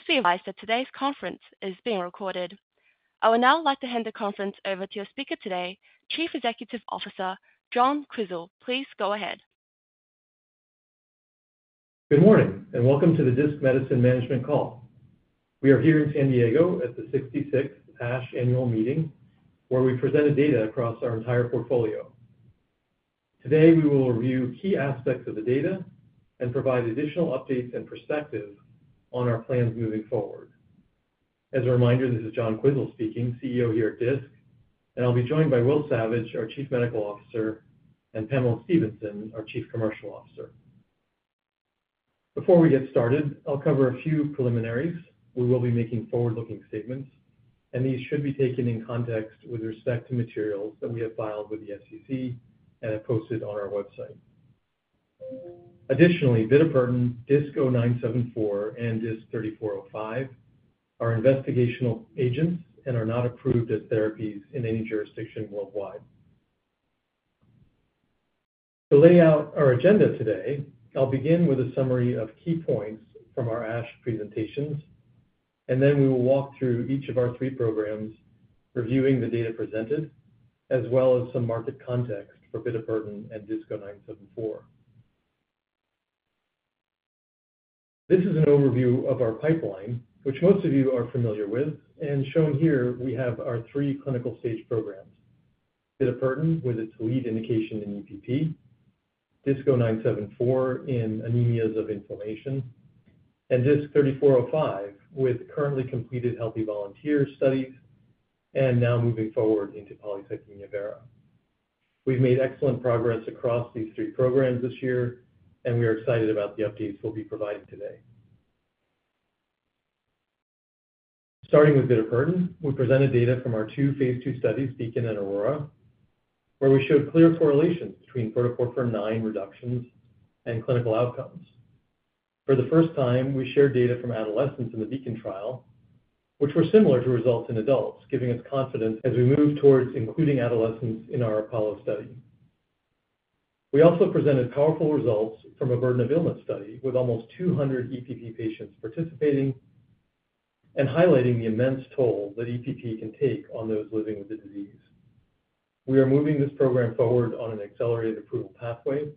Please be advised that today's conference is being recorded. I would now like to hand the conference over to your speaker today, Chief Executive Officer John Quisel. Please go ahead. Good morning, and welcome to the Disc Medicine Management Call. We are here in San Diego at the 66th ASH annual meeting, where we presented data across our entire portfolio. Today, we will review key aspects of the data and provide additional updates and perspective on our plans moving forward. As a reminder, this is John Quisel speaking, CEO here at Disc, and I'll be joined by Will Savage, our Chief Medical Officer, and Pamela Stephenson, our Chief Commercial Officer. Before we get started, I'll cover a few preliminaries. We will be making forward-looking statements, and these should be taken in context with respect to materials that we have filed with the SEC and have posted on our website. Additionally, bitopertin, DISC-0974, and DISC-3405 are investigational agents and are not approved as therapies in any jurisdiction worldwide. To lay out our agenda today, I'll begin with a summary of key points from our ASH presentations, and then we will walk through each of our three programs, reviewing the data presented, as well as some market context for bitopertin and DISC-0974. This is an overview of our pipeline, which most of you are familiar with, and shown here, we have our three clinical-stage programs: bitopertin with its lead indication in EPP, DISC-0974 in anemias of inflammation, and DISC-3405 with currently completed healthy volunteer studies and now moving forward into polycythemia vera. We've made excellent progress across these three programs this year, and we are excited about the updates we'll be providing today. Starting with bitopertin, we presented data from our two phase 2 studies, Beacon and Aurora, where we showed clear correlations between protoporphyrin IX reductions and clinical outcomes. For the first time, we shared data from adolescents in the Beacon trial, which were similar to results in adults, giving us confidence as we move towards including adolescents in our Apollo study. We also presented powerful results from a burden of illness study with almost 200 EPP patients participating and highlighting the immense toll that EPP can take on those living with the disease. We are moving this program forward on an accelerated approval pathway,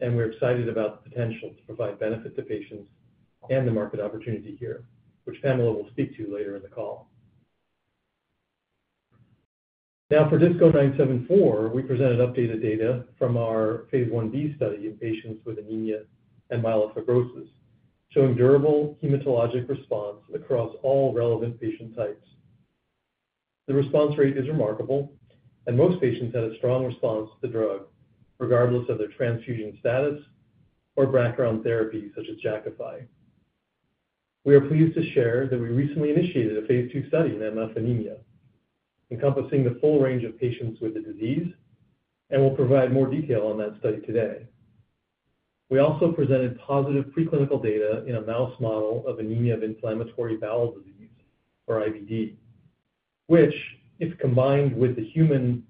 and we're excited about the potential to provide benefit to patients and the market opportunity here, which Pamela will speak to later in the call. Now, for DISC-0974, we presented updated data from our phase 1b study in patients with anemia and myelofibrosis, showing durable hematologic response across all relevant patient types. The response rate is remarkable, and most patients had a strong response to the drug, regardless of their transfusion status or background therapy such as Jakafi. We are pleased to share that we recently initiated a phase two study in MF anemia, encompassing the full range of patients with the disease, and we'll provide more detail on that study today. We also presented positive preclinical data in a mouse model of anemia of inflammatory bowel disease, or IBD, which, if combined with the human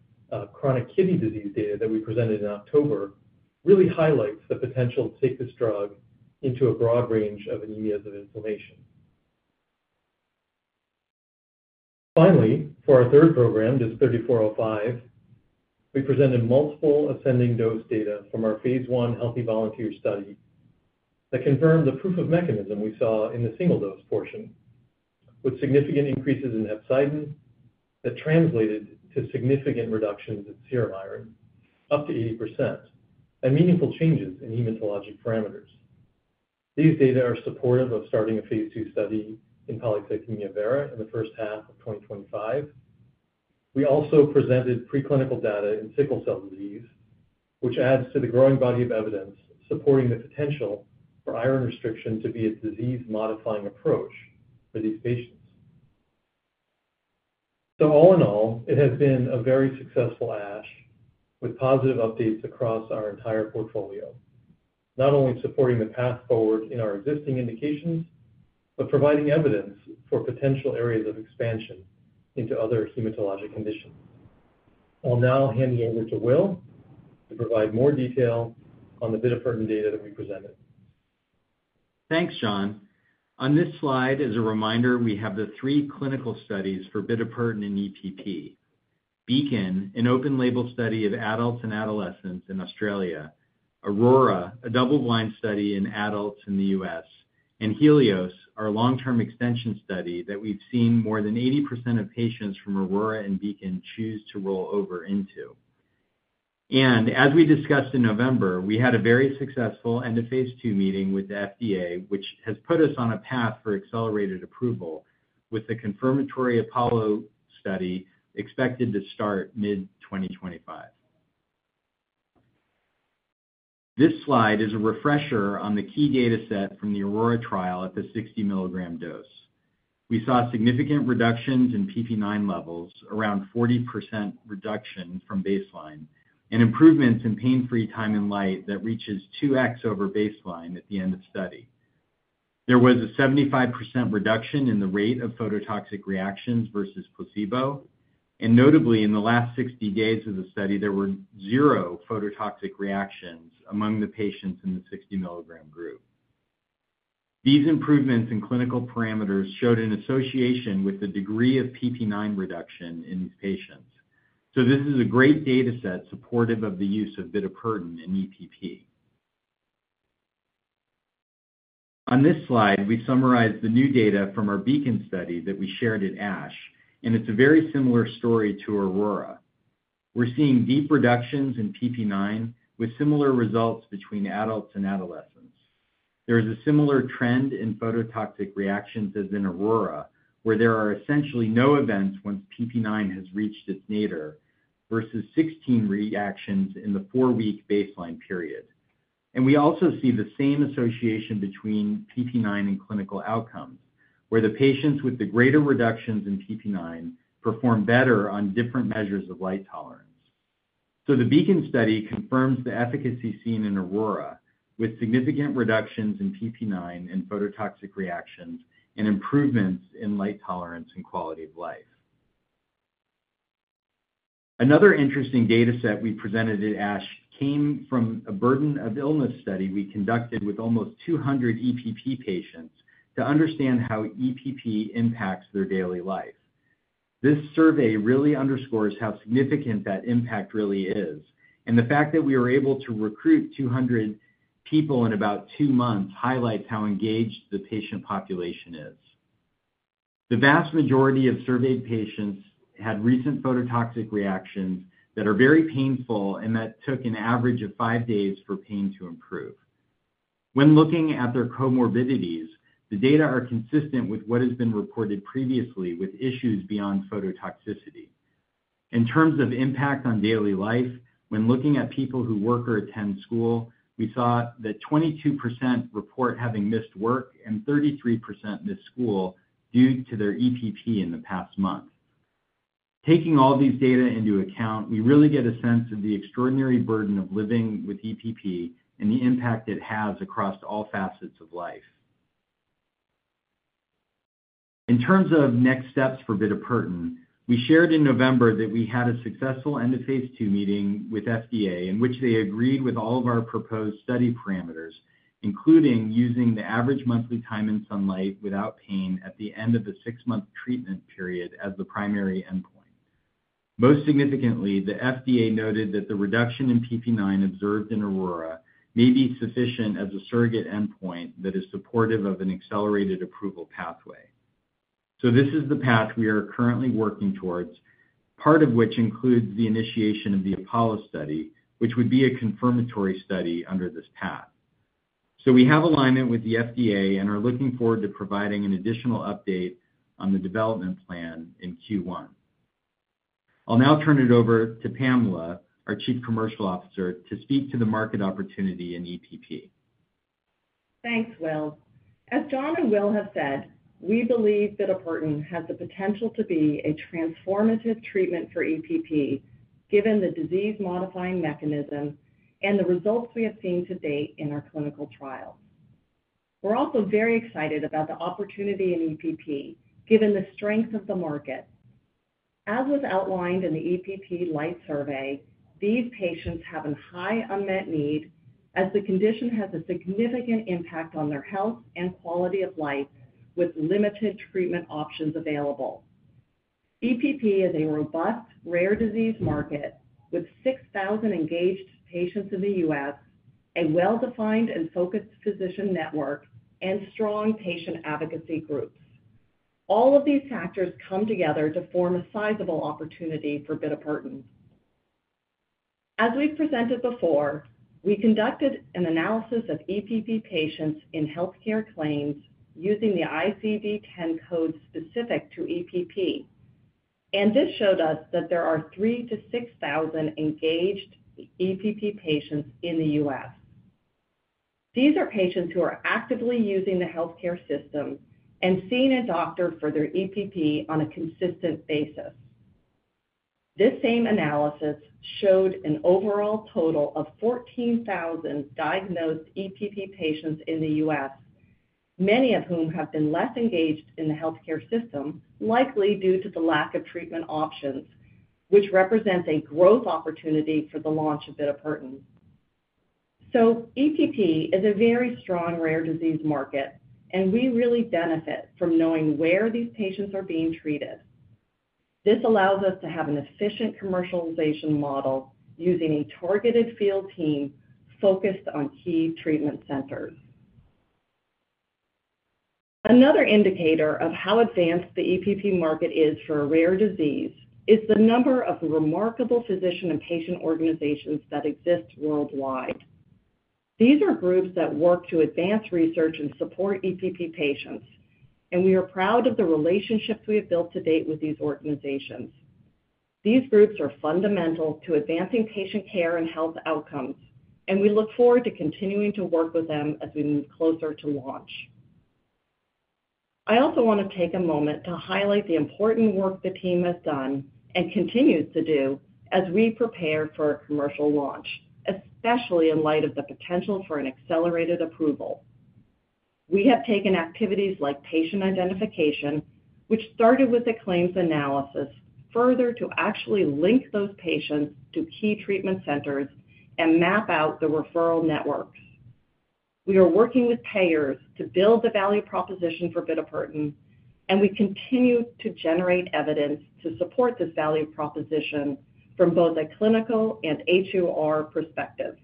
chronic kidney disease data that we presented in October, really highlights the potential to take this drug into a broad range of anemias of inflammation. Finally, for our third program, DISC-3405, we presented multiple ascending dose data from our phase one healthy volunteer study that confirmed the proof of mechanism we saw in the single dose portion, with significant increases in hepcidin that translated to significant reductions in serum iron, up to 80%, and meaningful changes in hematologic parameters. These data are supportive of starting a phase two study in polycythemia vera in the first half of 2025. We also presented preclinical data in sickle cell disease, which adds to the growing body of evidence supporting the potential for iron restriction to be a disease-modifying approach for these patients. So, all in all, it has been a very successful ASH with positive updates across our entire portfolio, not only supporting the path forward in our existing indications, but providing evidence for potential areas of expansion into other hematologic conditions. I'll now hand you over to Will to provide more detail on the bitopertin data that we presented. Thanks, John. On this slide, as a reminder, we have the three clinical studies for bitopertin and EPP: Beacon, an open-label study of adults and adolescents in Australia; Aurora, a double-blind study in adults in the U.S.; and Helios, our long-term extension study that we've seen more than 80% of patients from Aurora and Beacon choose to roll over into, and as we discussed in November, we had a very successful end-of-phase 2 meeting with the FDA, which has put us on a path for accelerated approval with the confirmatory Apollo study expected to start mid-2025. This slide is a refresher on the key data set from the Aurora trial at the 60 milligram dose. We saw significant reductions in PPIX levels, around 40% reduction from baseline, and improvements in pain-free time in light that reaches 2x over baseline at the end of study. There was a 75% reduction in the rate of phototoxic reactions versus placebo, and notably, in the last 60 days of the study, there were zero phototoxic reactions among the patients in the 60 milligram group. These improvements in clinical parameters showed an association with the degree of PPIX reduction in these patients. So, this is a great data set supportive of the use of bitopertin in EPP. On this slide, we summarize the new data from our Beacon study that we shared at ASH, and it's a very similar story to Aurora. We're seeing deep reductions in PPIX with similar results between adults and adolescents. There is a similar trend in phototoxic reactions as in Aurora, where there are essentially no events once PPIX has reached its nadir, versus 16 reactions in the four-week baseline period. We also see the same association between PPIX and clinical outcomes, where the patients with the greater reductions in PPIX perform better on different measures of light tolerance. The Beacon study confirms the efficacy seen in Aurora with significant reductions in PPIX and phototoxic reactions and improvements in light tolerance and quality of life. Another interesting data set we presented at ASH came from a burden of illness study we conducted with almost 200 EPP patients to understand how EPP impacts their daily life. This survey really underscores how significant that impact really is, and the fact that we were able to recruit 200 people in about two months highlights how engaged the patient population is. The vast majority of surveyed patients had recent phototoxic reactions that are very painful and that took an average of five days for pain to improve. When looking at their comorbidities, the data are consistent with what has been reported previously with issues beyond phototoxicity. In terms of impact on daily life, when looking at people who work or attend school, we saw that 22% report having missed work and 33% missed school due to their EPP in the past month. Taking all these data into account, we really get a sense of the extraordinary burden of living with EPP and the impact it has across all facets of life. In terms of next steps for bitopertin, we shared in November that we had a successful end-of-phase 2 meeting with FDA, in which they agreed with all of our proposed study parameters, including using the average monthly time in sunlight without pain at the end of the six-month treatment period as the primary endpoint. Most significantly, the FDA noted that the reduction in PPIX observed in Aurora may be sufficient as a surrogate endpoint that is supportive of an accelerated approval pathway. So, this is the path we are currently working towards, part of which includes the initiation of the Apollo study, which would be a confirmatory study under this path. So, we have alignment with the FDA and are looking forward to providing an additional update on the development plan in Q1. I'll now turn it over to Pamela, our Chief Commercial Officer, to speak to the market opportunity in EPP. Thanks, Will. As John and Will have said, we believe bitopertin has the potential to be a transformative treatment for EPP, given the disease-modifying mechanism and the results we have seen to date in our clinical trials. We're also very excited about the opportunity in EPP, given the strength of the market. As was outlined in the EPP Light survey, these patients have a high unmet need as the condition has a significant impact on their health and quality of life with limited treatment options available. EPP is a robust, rare disease market with 6,000 engaged patients in the U.S., a well-defined and focused physician network, and strong patient advocacy groups. All of these factors come together to form a sizable opportunity for bitopertin. As we've presented before, we conducted an analysis of EPP patients in healthcare claims using the ICD-10 code specific to EPP, and this showed us that there are 3,000-6,000 engaged EPP patients in the U.S. These are patients who are actively using the healthcare system and seeing a doctor for their EPP on a consistent basis. This same analysis showed an overall total of 14,000 diagnosed EPP patients in the U.S., many of whom have been less engaged in the healthcare system, likely due to the lack of treatment options, which represents a growth opportunity for the launch of bitopertin. So, EPP is a very strong rare disease market, and we really benefit from knowing where these patients are being treated. This allows us to have an efficient commercialization model using a targeted field team focused on key treatment centers. Another indicator of how advanced the EPP market is for a rare disease is the number of remarkable physician and patient organizations that exist worldwide. These are groups that work to advance research and support EPP patients, and we are proud of the relationships we have built to date with these organizations. These groups are fundamental to advancing patient care and health outcomes, and we look forward to continuing to work with them as we move closer to launch. I also want to take a moment to highlight the important work the team has done and continues to do as we prepare for a commercial launch, especially in light of the potential for an accelerated approval. We have taken activities like patient identification, which started with a claims analysis, further to actually link those patients to key treatment centers and map out the referral networks. We are working with payers to build the value proposition for bitopertin, and we continue to generate evidence to support this value proposition from both a clinical and HEOR perspective,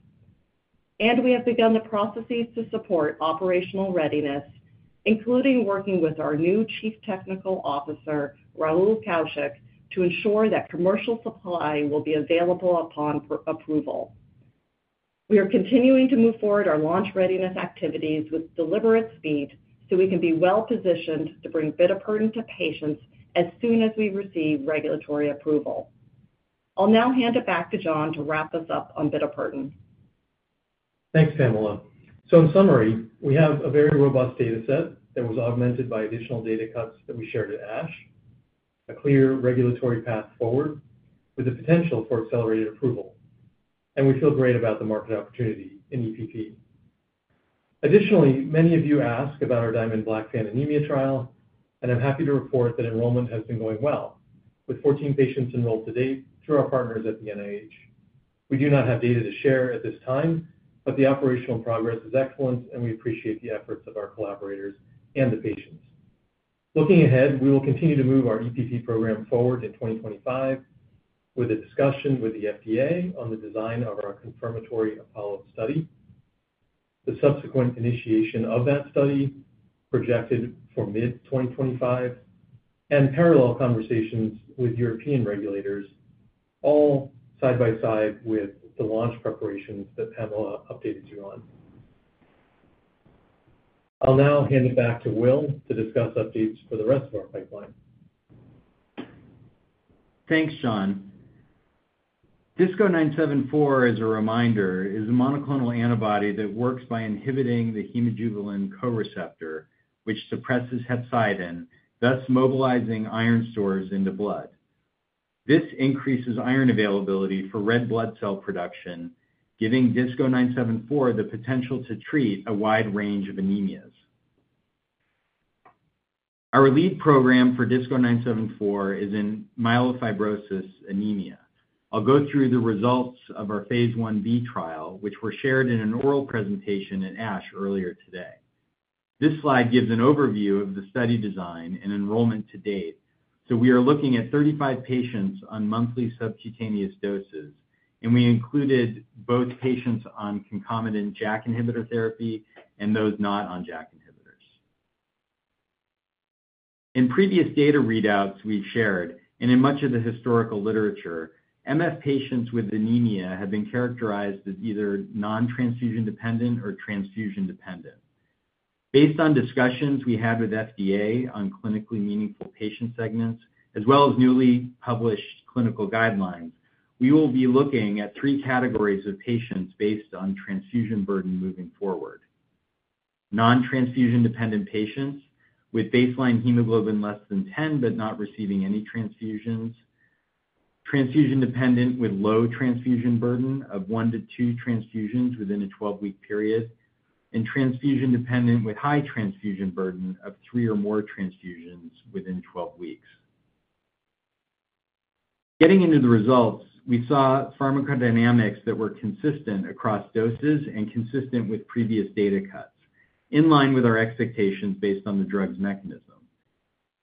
and we have begun the processes to support operational readiness, including working with our new Chief Technical Officer, Rahul Kaushik, to ensure that commercial supply will be available upon approval. We are continuing to move forward our launch readiness activities with deliberate speed so we can be well-positioned to bring bitopertin to patients as soon as we receive regulatory approval. I'll now hand it back to John to wrap us up on bitopertin. Thanks, Pamela. So, in summary, we have a very robust data set that was augmented by additional data cuts that we shared at ASH, a clear regulatory path forward with the potential for accelerated approval, and we feel great about the market opportunity in EPP. Additionally, many of you asked about our Diamond-Blackfan anemia trial, and I'm happy to report that enrollment has been going well, with 14 patients enrolled to date through our partners at the NIH. We do not have data to share at this time, but the operational progress is excellent, and we appreciate the efforts of our collaborators and the patients. Looking ahead, we will continue to move our EPP program forward in 2025 with a discussion with the FDA on the design of our confirmatory Apollo study, the subsequent initiation of that study projected for mid-2025, and parallel conversations with European regulators, all side by side with the launch preparations that Pamela updated you on. I'll now hand it back to Will to discuss updates for the rest of our pipeline. Thanks, John. DISC-0974, as a reminder, is a monoclonal antibody that works by inhibiting the hemojuvelin co-receptor, which suppresses hepcidin, thus mobilizing iron stores into blood. This increases iron availability for red blood cell production, giving DISC-0974 the potential to treat a wide range of anemias. Our lead program for DISC-0974 is in myelofibrosis anemia. I'll go through the results of our phase 1b trial, which were shared in an oral presentation at ASH earlier today. This slide gives an overview of the study design and enrollment to date. So, we are looking at 35 patients on monthly subcutaneous doses, and we included both patients on concomitant JAK inhibitor therapy and those not on JAK inhibitors. In previous data readouts we've shared and in much of the historical literature, MF patients with anemia have been characterized as either non-transfusion dependent or transfusion dependent. Based on discussions we had with FDA on clinically meaningful patient segments, as well as newly published clinical guidelines, we will be looking at three categories of patients based on transfusion burden moving forward: non-transfusion dependent patients with baseline hemoglobin less than 10 but not receiving any transfusions, transfusion dependent with low transfusion burden of one to two transfusions within a 12-week period, and transfusion dependent with high transfusion burden of three or more transfusions within 12 weeks. Getting into the results, we saw pharmacodynamics that were consistent across doses and consistent with previous data cuts, in line with our expectations based on the drug's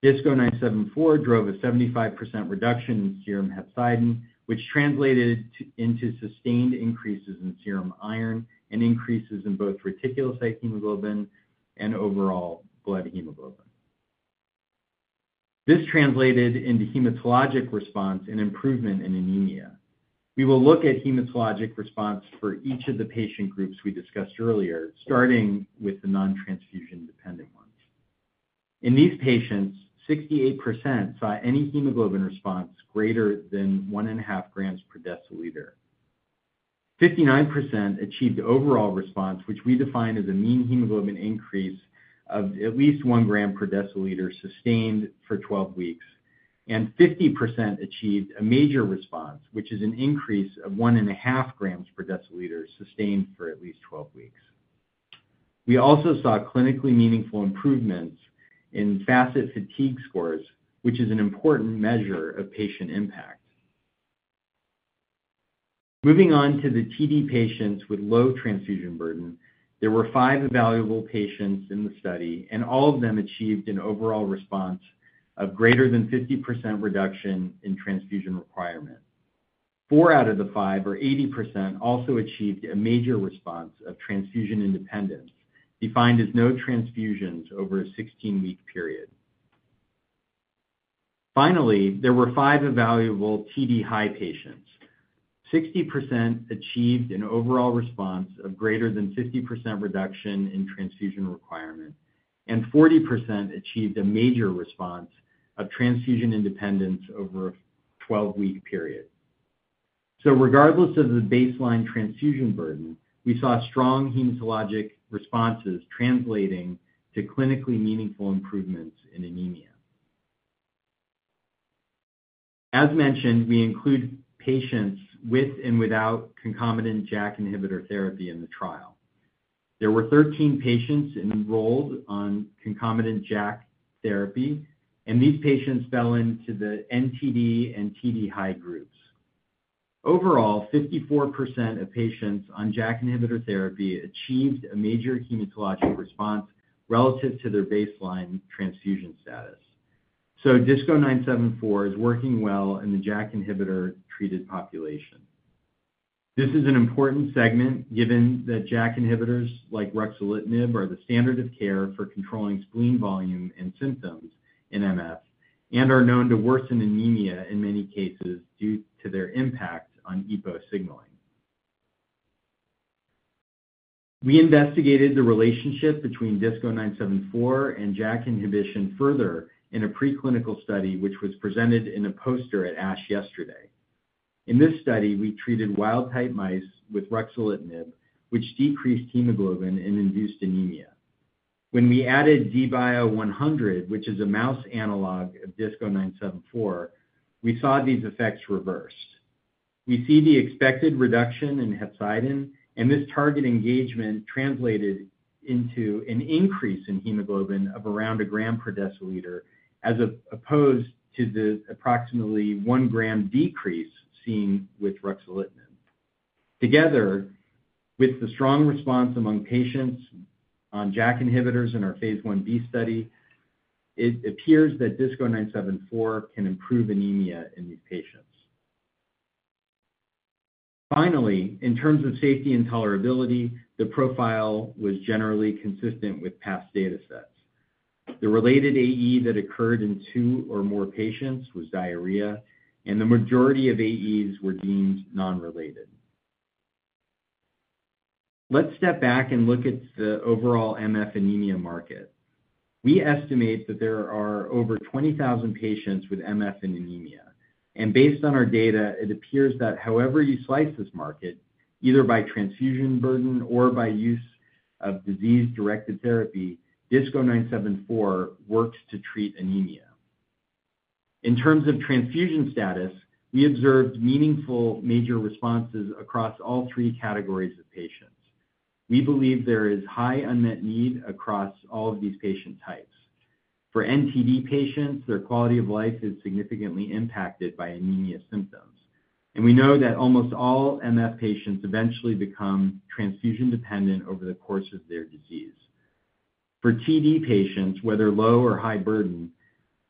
mechanism. DISC-0974 drove a 75% reduction in serum hepcidin, which translated into sustained increases in serum iron and increases in both reticulocyte hemoglobin and overall blood hemoglobin. This translated into hematologic response and improvement in anemia. We will look at hematologic response for each of the patient groups we discussed earlier, starting with the non-transfusion dependent ones. In these patients, 68% saw any hemoglobin response greater than 1.5 grams per deciliter. 59% achieved overall response, which we define as a mean hemoglobin increase of at least one gram per deciliter sustained for 12 weeks, and 50% achieved a major response, which is an increase of 1.5 grams per deciliter sustained for at least 12 weeks. We also saw clinically meaningful improvements in FACIT-Fatigue scores, which is an important measure of patient impact. Moving on to the TD patients with low transfusion burden, there were five evaluable patients in the study, and all of them achieved an overall response of greater than 50% reduction in transfusion requirement. Four out of the five, or 80%, also achieved a major response of transfusion independence, defined as no transfusions over a 16-week period. Finally, there were five evaluable TD high patients. 60% achieved an overall response of greater than 50% reduction in transfusion requirement, and 40% achieved a major response of transfusion independence over a 12-week period. So, regardless of the baseline transfusion burden, we saw strong hematologic responses translating to clinically meaningful improvements in anemia. As mentioned, we include patients with and without concomitant JAK inhibitor therapy in the trial. There were 13 patients enrolled on concomitant JAK therapy, and these patients fell into the NTD and TD high groups. Overall, 54% of patients on JAK inhibitor therapy achieved a major hematologic response relative to their baseline transfusion status. So, DISC-0974 is working well in the JAK inhibitor treated population. This is an important segment given that JAK inhibitors like ruxolitinib are the standard of care for controlling spleen volume and symptoms in MF and are known to worsen anemia in many cases due to their impact on EPO signaling. We investigated the relationship between DISC-0974 and JAK inhibition further in a preclinical study, which was presented in a poster at ASH yesterday. In this study, we treated wild-type mice with ruxolitinib, which decreased hemoglobin and induced anemia. When we added DBIO-100, which is a mouse analog of DISC-0974, we saw these effects reversed. We see the expected reduction in hepcidin, and this target engagement translated into an increase in hemoglobin of around a gram per deciliter as opposed to the approximately one gram decrease seen with ruxolitinib. Together, with the strong response among patients on JAK inhibitors in our phase 1b study, it appears that DISC-0974 can improve anemia in these patients. Finally, in terms of safety and tolerability, the profile was generally consistent with past data sets. The related AE that occurred in two or more patients was diarrhea, and the majority of AEs were deemed non-related. Let's step back and look at the overall MF anemia market. We estimate that there are over 20,000 patients with MF and anemia, and based on our data, it appears that however you slice this market, either by transfusion burden or by use of disease-directed therapy, DISC-0974 works to treat anemia. In terms of transfusion status, we observed meaningful major responses across all three categories of patients. We believe there is high unmet need across all of these patient types. For NTD patients, their quality of life is significantly impacted by anemia symptoms, and we know that almost all MF patients eventually become transfusion dependent over the course of their disease. For TD patients, whether low or high burden,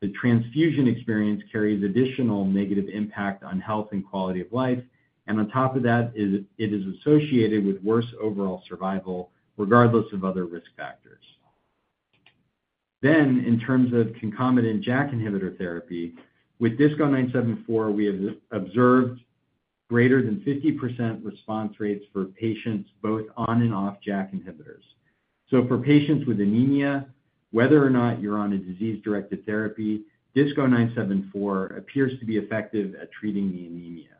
the transfusion experience carries additional negative impact on health and quality of life, and on top of that, it is associated with worse overall survival regardless of other risk factors. Then, in terms of concomitant JAK inhibitor therapy, with DISC-0974, we have observed greater than 50% response rates for patients both on and off JAK inhibitors. So, for patients with anemia, whether or not you're on a disease-directed therapy, DISC-0974 appears to be effective at treating the anemia.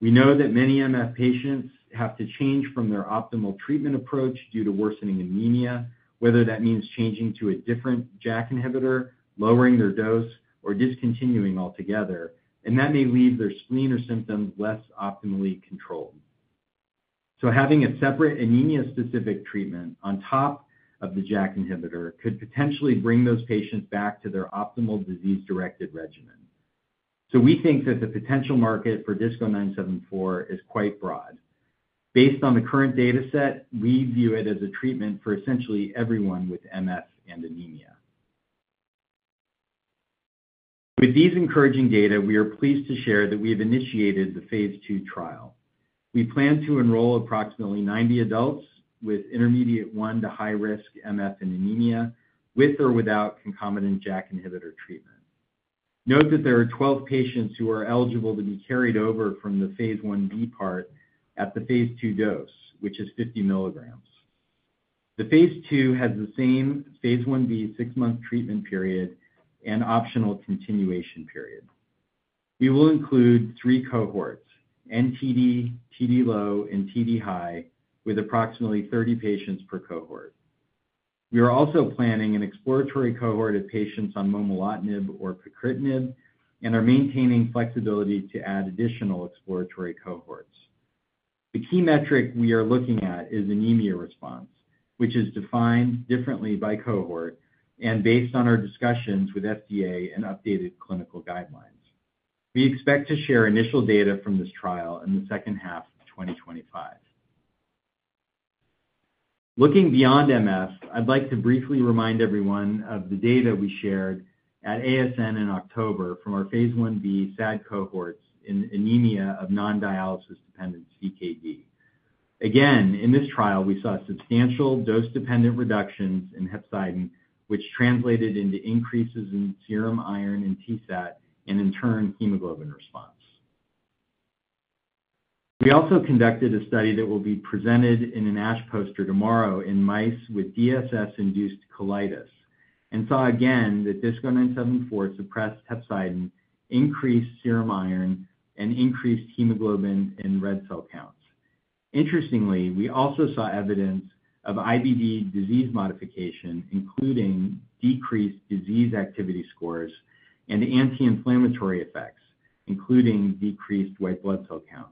We know that many MF patients have to change from their optimal treatment approach due to worsening anemia, whether that means changing to a different JAK inhibitor, lowering their dose, or discontinuing altogether, and that may leave their spleen or symptoms less optimally controlled, so having a separate anemia-specific treatment on top of the JAK inhibitor could potentially bring those patients back to their optimal disease-directed regimen, so we think that the potential market for DISC-0974 is quite broad. Based on the current data set, we view it as a treatment for essentially everyone with MF and anemia. With these encouraging data, we are pleased to share that we have initiated the phase two trial. We plan to enroll approximately 90 adults with Intermediate-1 to high-risk MF and anemia with or without concomitant JAK inhibitor treatment. Note that there are 12 patients who are eligible to be carried over from the phase 1b part at the phase 2 dose, which is 50 milligrams. The phase 2 has the same phase 1b six-month treatment period and optional continuation period. We will include three cohorts: NTD, TD low, and TD high, with approximately 30 patients per cohort. We are also planning an exploratory cohort of patients on momelotinib or pacritinib and are maintaining flexibility to add additional exploratory cohorts. The key metric we are looking at is anemia response, which is defined differently by cohort and based on our discussions with FDA and updated clinical guidelines. We expect to share initial data from this trial in the second half of 2025. Looking beyond MF, I'd like to briefly remind everyone of the data we shared at ASN in October from our phase 1b SAD cohorts in anemia of non-dialysis dependent CKD. Again, in this trial, we saw substantial dose-dependent reductions in hepcidin, which translated into increases in serum iron and TSAT, and in turn, hemoglobin response. We also conducted a study that will be presented in an ASH poster tomorrow in mice with DSS-induced colitis and saw again that DISC-0974 suppressed hepcidin, increased serum iron, and increased hemoglobin and red cell counts. Interestingly, we also saw evidence of IBD disease modification, including decreased disease activity scores and anti-inflammatory effects, including decreased white blood cell counts.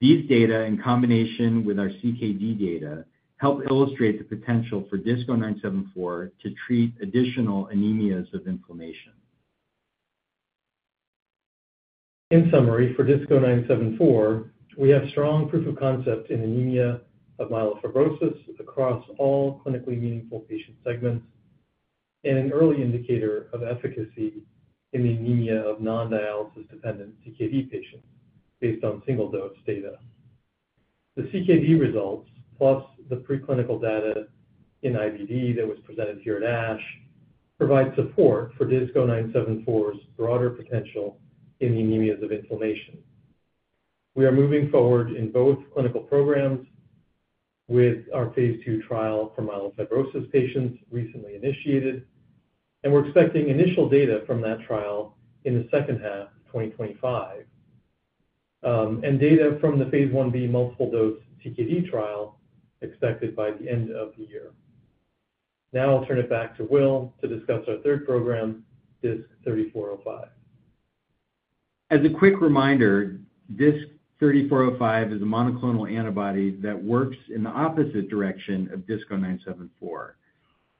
These data, in combination with our CKD data, help illustrate the potential for DISC-0974 to treat additional anemias of inflammation. In summary, for DISC-0974, we have strong proof of concept in anemia of myelofibrosis across all clinically meaningful patient segments and an early indicator of efficacy in the anemia of non-dialysis dependent CKD patients based on single dose data. The CKD results, plus the preclinical data in IBD that was presented here at ASH, provide support for DISC-0974's broader potential in the anemias of inflammation. We are moving forward in both clinical programs with our phase 2 trial for myelofibrosis patients recently initiated, and we're expecting initial data from that trial in the second half of 2025 and data from the phase 1b multiple dose CKD trial expected by the end of the year. Now I'll turn it back to Will to discuss our third program, DISC-3405. As a quick reminder, DISC-3405 is a monoclonal antibody that works in the opposite direction of DISC-0974.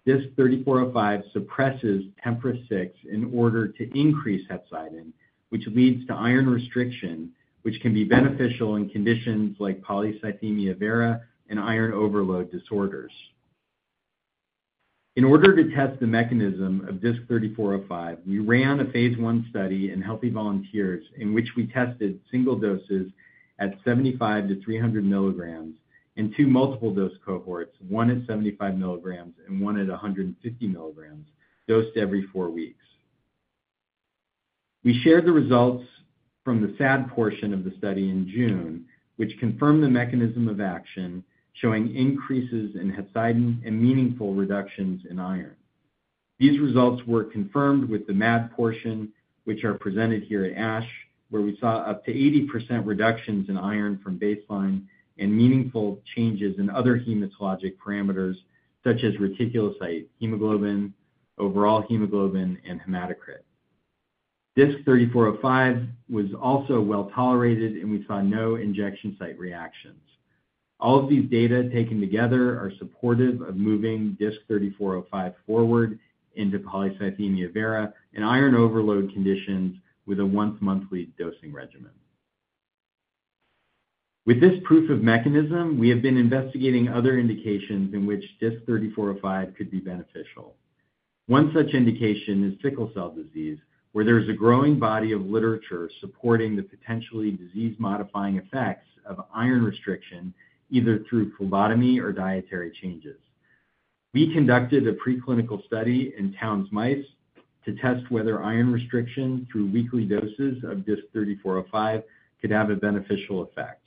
DISC-3405 suppresses TMPRSS6 in order to increase hepcidin, which leads to iron restriction, which can be beneficial in conditions like polycythemia vera and iron overload disorders. In order to test the mechanism of DISC-3405, we ran a phase 1 study in healthy volunteers in which we tested single doses at 75-300 milligrams in two multiple dose cohorts, one at 75 milligrams and one at 150 milligrams, dosed every four weeks. We shared the results from the SAD portion of the study in June, which confirmed the mechanism of action, showing increases in hepcidin and meaningful reductions in iron. These results were confirmed with the MAD portion, which are presented here at ASH, where we saw up to 80% reductions in iron from baseline and meaningful changes in other hematologic parameters such as reticulocyte hemoglobin, overall hemoglobin, and hematocrit. DISC-3405 was also well tolerated, and we saw no injection site reactions. All of these data taken together are supportive of moving DISC-3405 forward into polycythemia vera and iron overload conditions with a once-monthly dosing regimen. With this proof of mechanism, we have been investigating other indications in which DISC-3405 could be beneficial. One such indication is sickle cell disease, where there is a growing body of literature supporting the potentially disease-modifying effects of iron restriction either through phlebotomy or dietary changes. We conducted a preclinical study in Townes mice to test whether iron restriction through weekly doses of DISC-3405 could have a beneficial effect.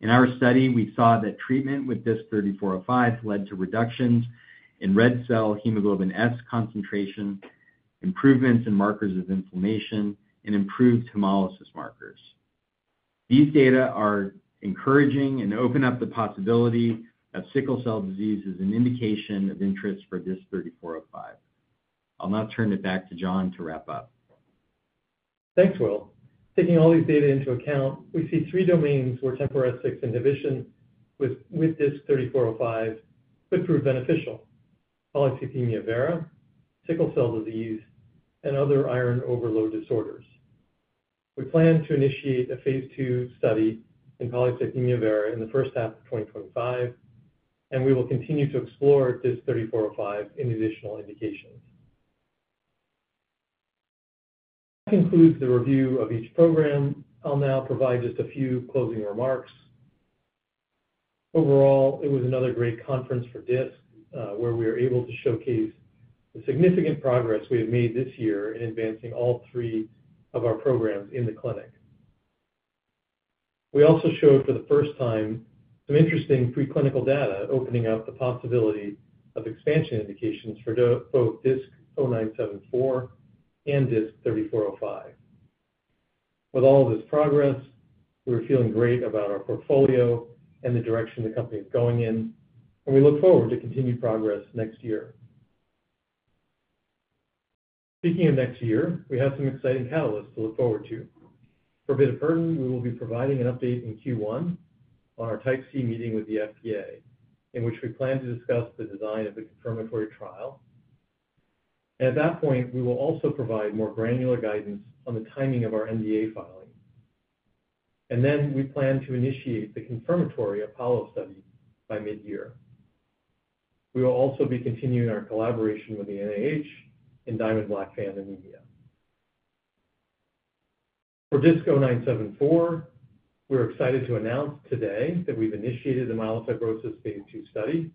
In our study, we saw that treatment with DISC-3405 led to reductions in red cell hemoglobin S concentration, improvements in markers of inflammation, and improved hemolysis markers. These data are encouraging and open up the possibility of sickle cell disease as an indication of interest for DISC-3405. I'll now turn it back to John to wrap up. Thanks, Will. Taking all these data into account, we see three domains where TMPRSS6 inhibition with DISC-3405 could prove beneficial: polycythemia vera, sickle cell disease, and other iron overload disorders. We plan to initiate a phase 2 study in polycythemia vera in the first half of 2025, and we will continue to explore DISC-3405 in additional indications. That concludes the review of each program. I'll now provide just a few closing remarks. Overall, it was another great conference for DISC, where we were able to showcase the significant progress we have made this year in advancing all three of our programs in the clinic. We also showed for the first time some interesting preclinical data opening up the possibility of expansion indications for both DISC-0974 and DISC-3405. With all of this progress, we're feeling great about our portfolio and the direction the company is going in, and we look forward to continued progress next year. Speaking of next year, we have some exciting catalysts to look forward to. For bitopertin, we will be providing an update in Q1 on our Type C meeting with the FDA, in which we plan to discuss the design of the confirmatory trial. At that point, we will also provide more granular guidance on the timing of our NDA filing. And then we plan to initiate the confirmatory Apollo study by mid-year. We will also be continuing our collaboration with the NIH in Diamond-Blackfan anemia. For DISC-0974, we're excited to announce today that we've initiated the myelofibrosis phase 2 study,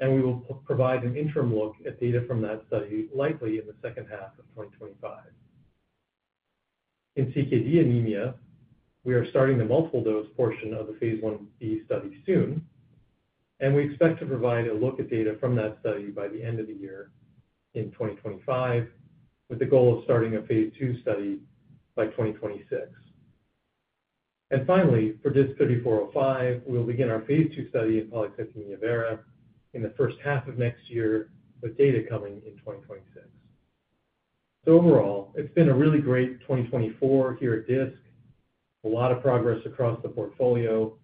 and we will provide an interim look at data from that study likely in the second half of 2025. In CKD anemia, we are starting the multiple dose portion of the phase 1b study soon, and we expect to provide a look at data from that study by the end of the year in 2025, with the goal of starting a phase 2 study by 2026. And finally, for DISC-3405, we'll begin our phase 2 study in polycythemia vera in the first half of next year, with data coming in 2026. So overall, it's been a really great 2024 here at DISC. A lot of progress across the portfolio,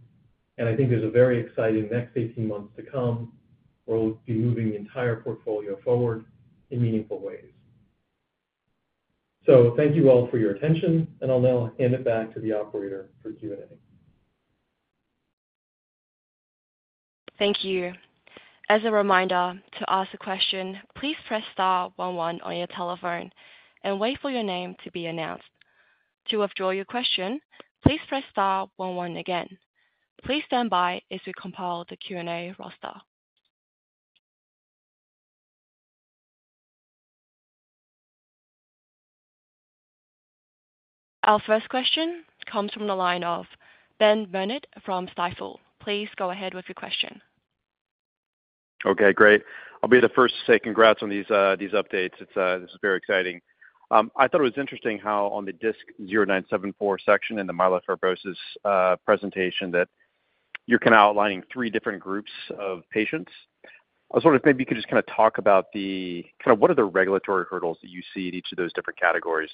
and I think there's a very exciting next 18 months to come where we'll be moving the entire portfolio forward in meaningful ways. So thank you all for your attention, and I'll now hand it back to the operator for Q&A. Thank you. As a reminder, to ask a question, please press star 11 on your telephone and wait for your name to be announced. To withdraw your question, please press star 11 again. Please stand by as we compile the Q&A roster. Our first question comes from the line of Ben Burnett from Stifel. Please go ahead with your question. Okay, great. I'll be the first to say congrats on these updates. This is very exciting. I thought it was interesting how on the DISC-0974 section in the myelofibrosis presentation that you're kind of outlining three different groups of patients. I was wondering if maybe you could just kind of talk about the kind of what are the regulatory hurdles that you see in each of those different categories?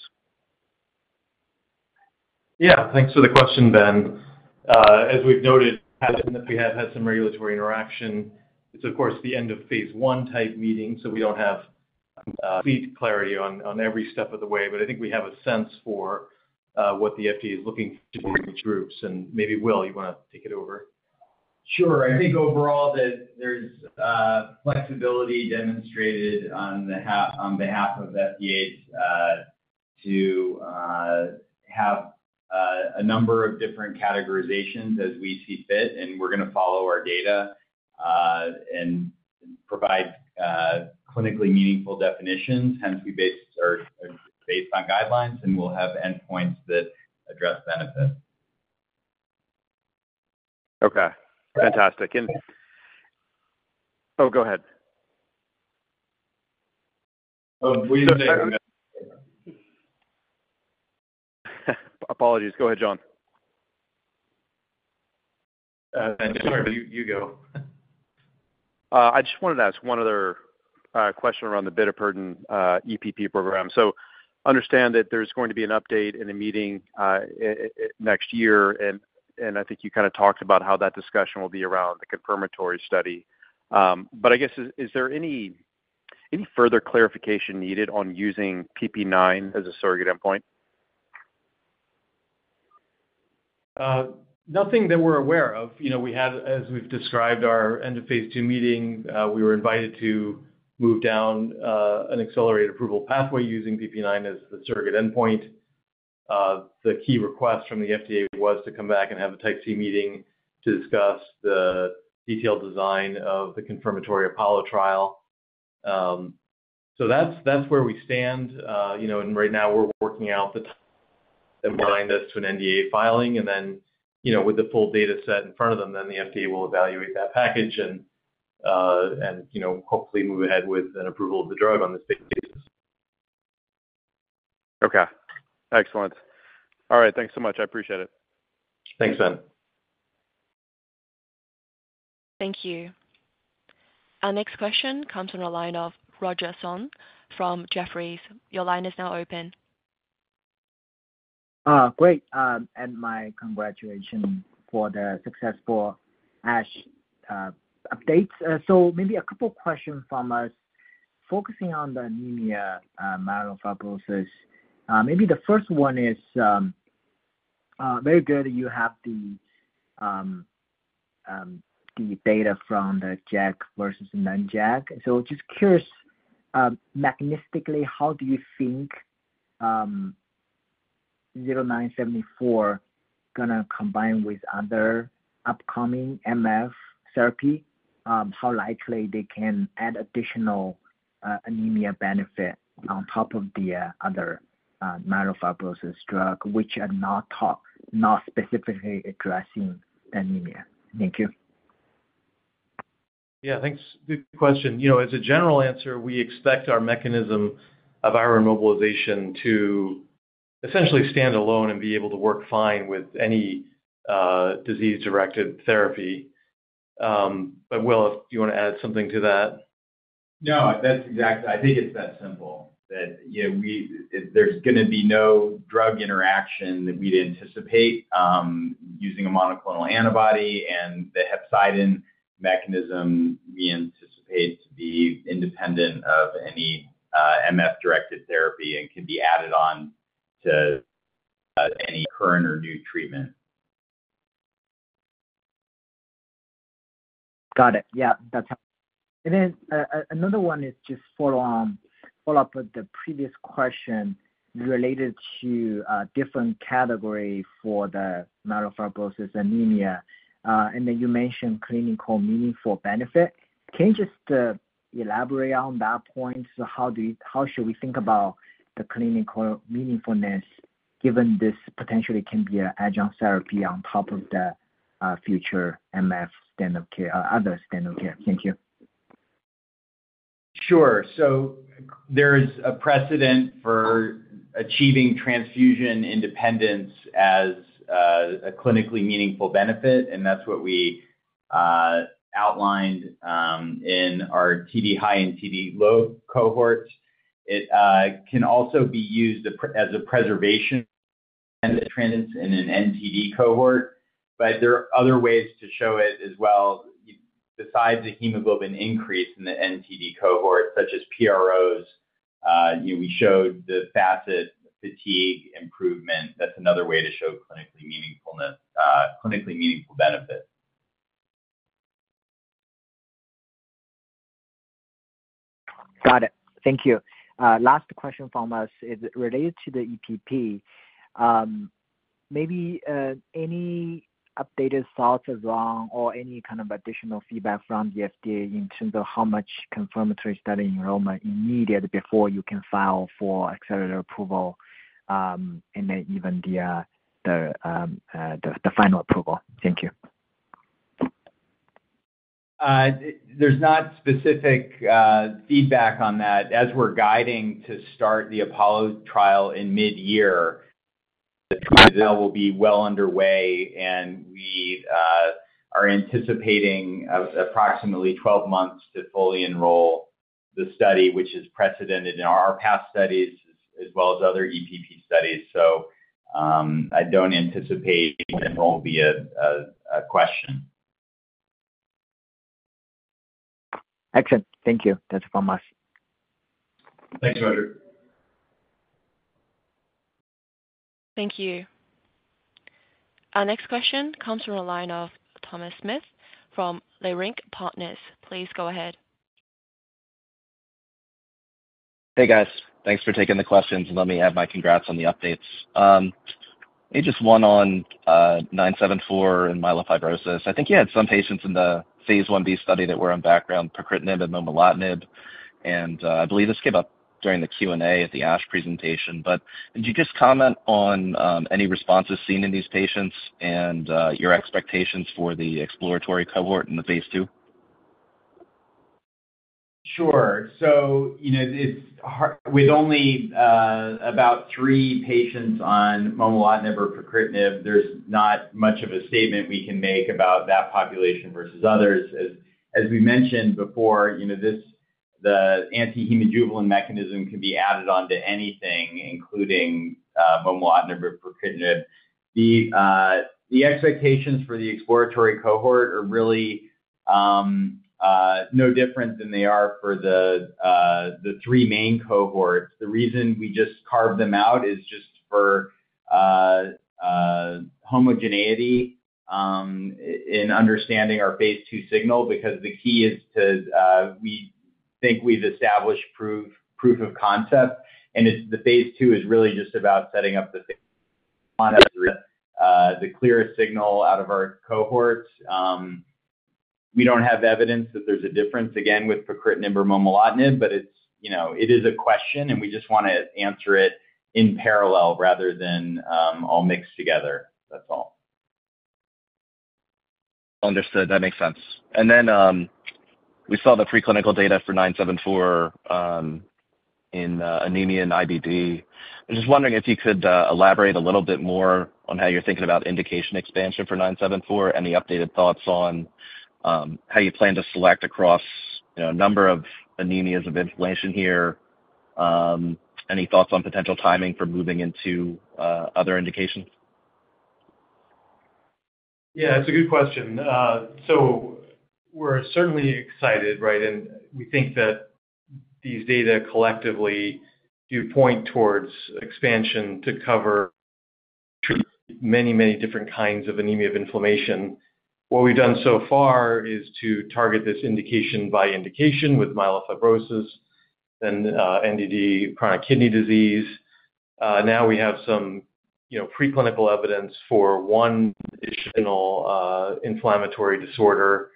Yeah, thanks for the question, Ben. As we've noted, we have had some regulatory interaction. It's, of course, the end of phase one type meeting, so we don't have complete clarity on every step of the way, but I think we have a sense for what the FDA is looking for in these groups. And maybe, Will, you want to take it over? Sure. I think overall that there's flexibility demonstrated on behalf of FDA to have a number of different categorizations as we see fit, and we're going to follow our data and provide clinically meaningful definitions. Hence, we are based on guidelines, and we'll have endpoints that address benefits. Okay. Fantastic. And oh, go ahead. Oh, we didn't say. Apologies. Go ahead, John. Sorry, you go. I just wanted to ask one other question around the bitopertin EPP program. So I understand that there's going to be an update in a meeting next year, and I think you kind of talked about how that discussion will be around the confirmatory study. But I guess, is there any further clarification needed on using PPIX as a surrogate endpoint? Nothing that we're aware of. As we've described our end of phase 2 meeting, we were invited to move down an accelerated approval pathway using PPIX as the surrogate endpoint. The key request from the FDA was to come back and have a Type C meeting to discuss the detailed design of the confirmatory Apollo trial. So that's where we stand, and right now, we're working out the time that will bind us to an NDA filing. And then, with the full data set in front of them, then the FDA will evaluate that package and hopefully move ahead with an approval of the drug on this basis. Okay. Excellent. All right. Thanks so much. I appreciate it. Thanks, Ben. Thank you. Our next question comes from the line of Roger Song from Jefferies. Your line is now open. Great. And my congratulations for the successful ASH updates. So maybe a couple of questions from us focusing on the anemia myelofibrosis. Maybe the first one is very good that you have the data from the JAK versus non-JAK. So just curious, mechanistically, how do you think 0974 is going to combine with other upcoming MF therapy? How likely they can add additional anemia benefit on top of the other myelofibrosis drug, which are not specifically addressing anemia? Thank you. Yeah, thanks. Good question. As a general answer, we expect our mechanism of iron mobilization to essentially stand alone and be able to work fine with any disease-directed therapy. But Will, do you want to add something to that? No, that's exactly. I think it's that simple that there's going to be no drug interaction that we'd anticipate using a monoclonal antibody, and the hepcidin mechanism we anticipate to be independent of any MF-directed therapy and can be added on to any current or new treatment. Got it. Yeah, that's helpful. And then another one is just follow-up with the previous question related to different categories for the myelofibrosis anemia. And then you mentioned clinical meaningful benefit. Can you just elaborate on that point? So how should we think about the clinical meaningfulness given this potentially can be an adjunct therapy on top of the future MF standard of care or other standard of care? Thank you. Sure. So there is a precedent for achieving transfusion independence as a clinically meaningful benefit, and that's what we outlined in our TD high and TD low cohorts. It can also be used as a preservation of transfusion independence in an NTD cohort, but there are other ways to show it as well besides the hemoglobin increase in the NTD cohort, such as PROs. We showed the FACIT-Fatigue improvement. That's another way to show clinically meaningful benefit. Got it. Thank you. Last question from us is related to the EPP. Maybe any updated thoughts around or any kind of additional feedback from the FDA in terms of how much confirmatory study enrollment is needed before you can file for accelerated approval and then even the final approval? Thank you. There's no specific feedback on that. As we're guiding to start the Apollo trial in mid-year, the trial will be well underway, and we are anticipating approximately 12 months to fully enroll the study, which is precedented in our past studies as well as other EPP studies. So I don't anticipate it will be a question. Excellent. Thank you. Thank you very much. Thanks, Roger. Thank you. Our next question comes from the line of Thomas Smith from Leerink Partners. Please go ahead. Hey, guys. Thanks for taking the questions. And let me add my congrats on the updates. Maybe just one on 974 and myelofibrosis. I think you had some patients in the phase 1b study that were on background pacritinib and momelotinib, and I believe this came up during the Q&A at the ASH presentation. But could you just comment on any responses seen in these patients and your expectations for the exploratory cohort in the phase 2? Sure. So with only about three patients on momelotinib or pacritinib, there's not much of a statement we can make about that population versus others. As we mentioned before, the anti-hemojuvelin mechanism can be added onto anything, including momelotinib or pacritinib. The expectations for the exploratory cohort are really no different than they are for the three main cohorts. The reason we just carved them out is just for homogeneity in understanding our phase 2 signal because the key is, we think we've established proof of concept, and the phase 2 is really just about setting up the clearest signal out of our cohorts. We don't have evidence that there's a difference, again, with pacritinib or momelotinib, but it is a question, and we just want to answer it in parallel rather than all mixed together. That's all. Understood. That makes sense. And then we saw the preclinical data for 974 in anemia and IBD. I'm just wondering if you could elaborate a little bit more on how you're thinking about indication expansion for 974, any updated thoughts on how you plan to select across a number of anemias of inflammation here, any thoughts on potential timing for moving into other indications? Yeah, that's a good question, so we're certainly excited, right, and we think that these data collectively do point towards expansion to cover many, many different kinds of anemia of inflammation. What we've done so far is to target this indication by indication with myelofibrosis and NTD chronic kidney disease. Now we have some preclinical evidence for one additional inflammatory disorder.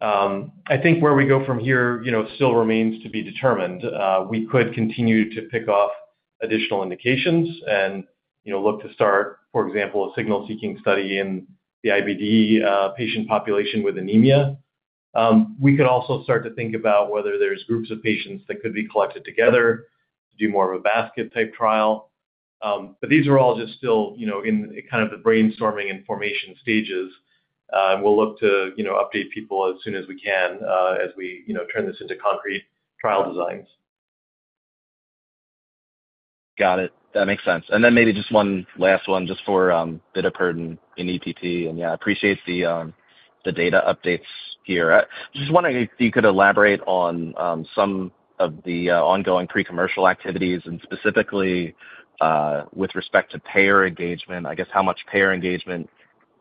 I think where we go from here still remains to be determined. We could continue to pick off additional indications and look to start, for example, a signal-seeking study in the IBD patient population with anemia. We could also start to think about whether there's groups of patients that could be collected together to do more of a basket-type trial, but these are all just still in kind of the brainstorming and formation stages. We'll look to update people as soon as we can as we turn this into concrete trial designs. Got it. That makes sense. And then maybe just one last one, just for a bit of burden in EPP. And yeah, I appreciate the data updates here. I just wonder if you could elaborate on some of the ongoing pre-commercial activities and specifically with respect to payer engagement, I guess how much payer engagement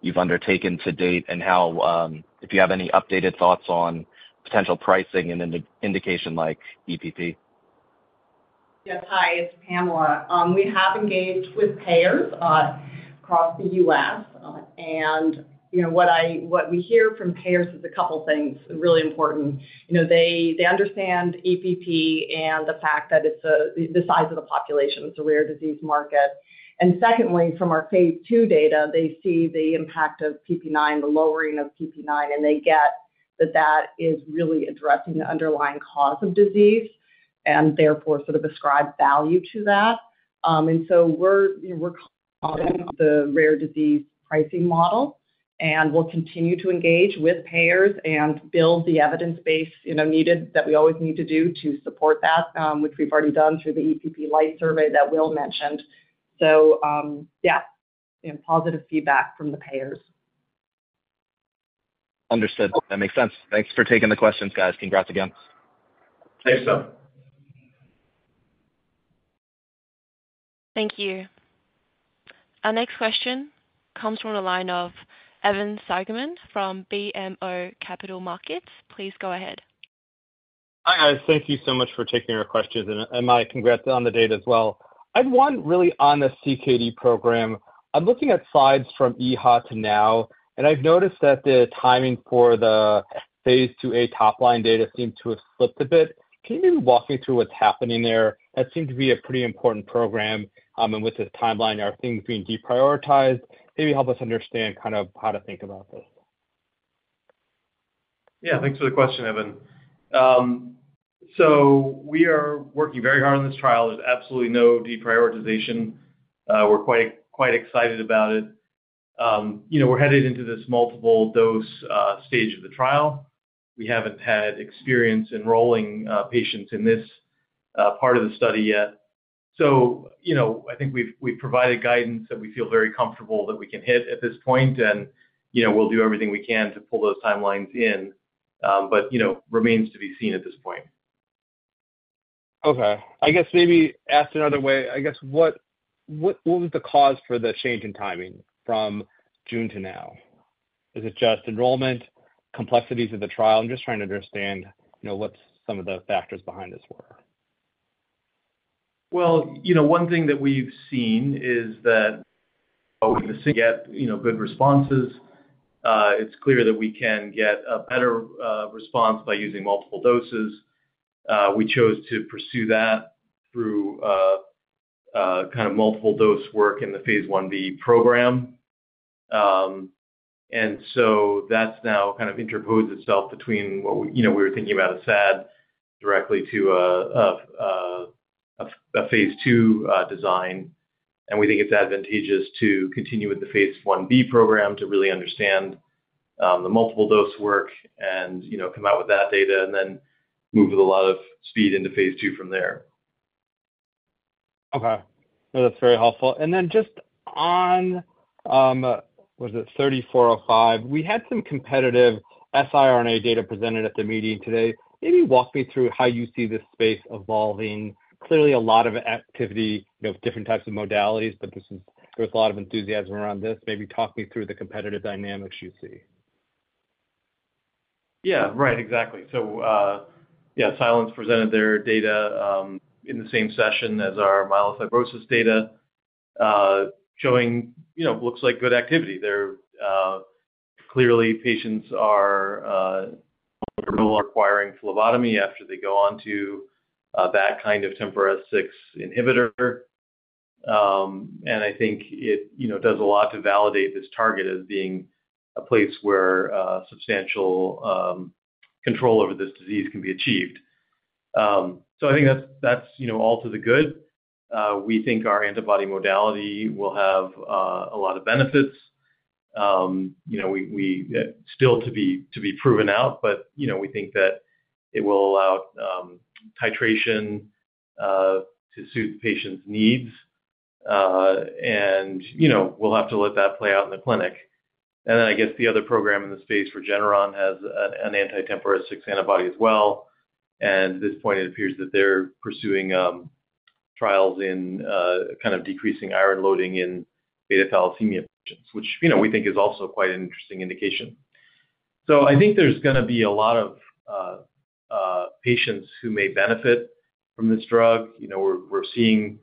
you've undertaken to date and if you have any updated thoughts on potential pricing and indication like EPP. Yes, hi. It's Pamela. We have engaged with payers across the U.S., and what we hear from payers is a couple of things really important. They understand EPP and the fact that it's the size of the population. It's a rare disease market. And secondly, from our phase 2 data, they see the impact of PPIX, the lowering of PPIX, and they get that that is really addressing the underlying cause of disease and therefore sort of ascribe value to that. And so we're calling on the rare disease pricing model, and we'll continue to engage with payers and build the evidence base needed that we always need to do to support that, which we've already done through the EPP Light survey that Will mentioned. So yeah, positive feedback from the payers. Understood. That makes sense. Thanks for taking the questions, guys. Congrats again. Thanks, Thom. Thank you. Our next question comes from the line of Evan Seigerman from BMO Capital Markets. Please go ahead. Hi, guys. Thank you so much for taking our questions, and my congrats on the data as well. I'm only really on the CKD program. I'm looking at slides from EHA to now, and I've noticed that the timing for the phase 2a top-line data seems to have slipped a bit. Can you maybe walk me through what's happening there? That seemed to be a pretty important program, and with this timeline, are things being deprioritized? Maybe help us understand kind of how to think about this. Yeah, thanks for the question, Evan. So we are working very hard on this trial. There's absolutely no deprioritization. We're quite excited about it. We're headed into this multiple-dose stage of the trial. We haven't had experience enrolling patients in this part of the study yet. So I think we've provided guidance that we feel very comfortable that we can hit at this point, and we'll do everything we can to pull those timelines in, but remains to be seen at this point. Okay. I guess, maybe asked another way. I guess what was the cause for the change in timing from June to now? Is it just enrollment, complexities of the trial? I'm just trying to understand what some of the factors behind this were. One thing that we've seen is that we get good responses. It's clear that we can get a better response by using multiple doses. We chose to pursue that through kind of multiple-dose work in the phase 1b program. So that's now kind of interposed itself between what we were thinking about a SAD directly to a phase 2 design. We think it's advantageous to continue with the phase 1b program to really understand the multiple-dose work and come out with that data and then move with a lot of speed into phase 2 from there. Okay. No, that's very helpful. And then just on, what is it, 3405, we had some competitive siRNA data presented at the meeting today. Maybe walk me through how you see this space evolving. Clearly, a lot of activity of different types of modalities, but there was a lot of enthusiasm around this. Maybe talk me through the competitive dynamics you see. Yeah, right. Exactly. So yeah, Silence presented their data in the same session as our myelofibrosis data, showing looks like good activity. Clearly, patients are requiring phlebotomy after they go on to that kind of TMPRSS6 inhibitor. And I think it does a lot to validate this target as being a place where substantial control over this disease can be achieved. So I think that's all to the good. We think our antibody modality will have a lot of benefits. Still to be proven out, but we think that it will allow titration to suit patients' needs, and we'll have to let that play out in the clinic. And then I guess the other program in the space for Regeneron has an anti-TMPRSS6 antibody as well. At this point, it appears that they're pursuing trials in kind of decreasing iron loading in beta thalassemia patients, which we think is also quite an interesting indication. I think there's going to be a lot of patients who may benefit from this drug. We're seeing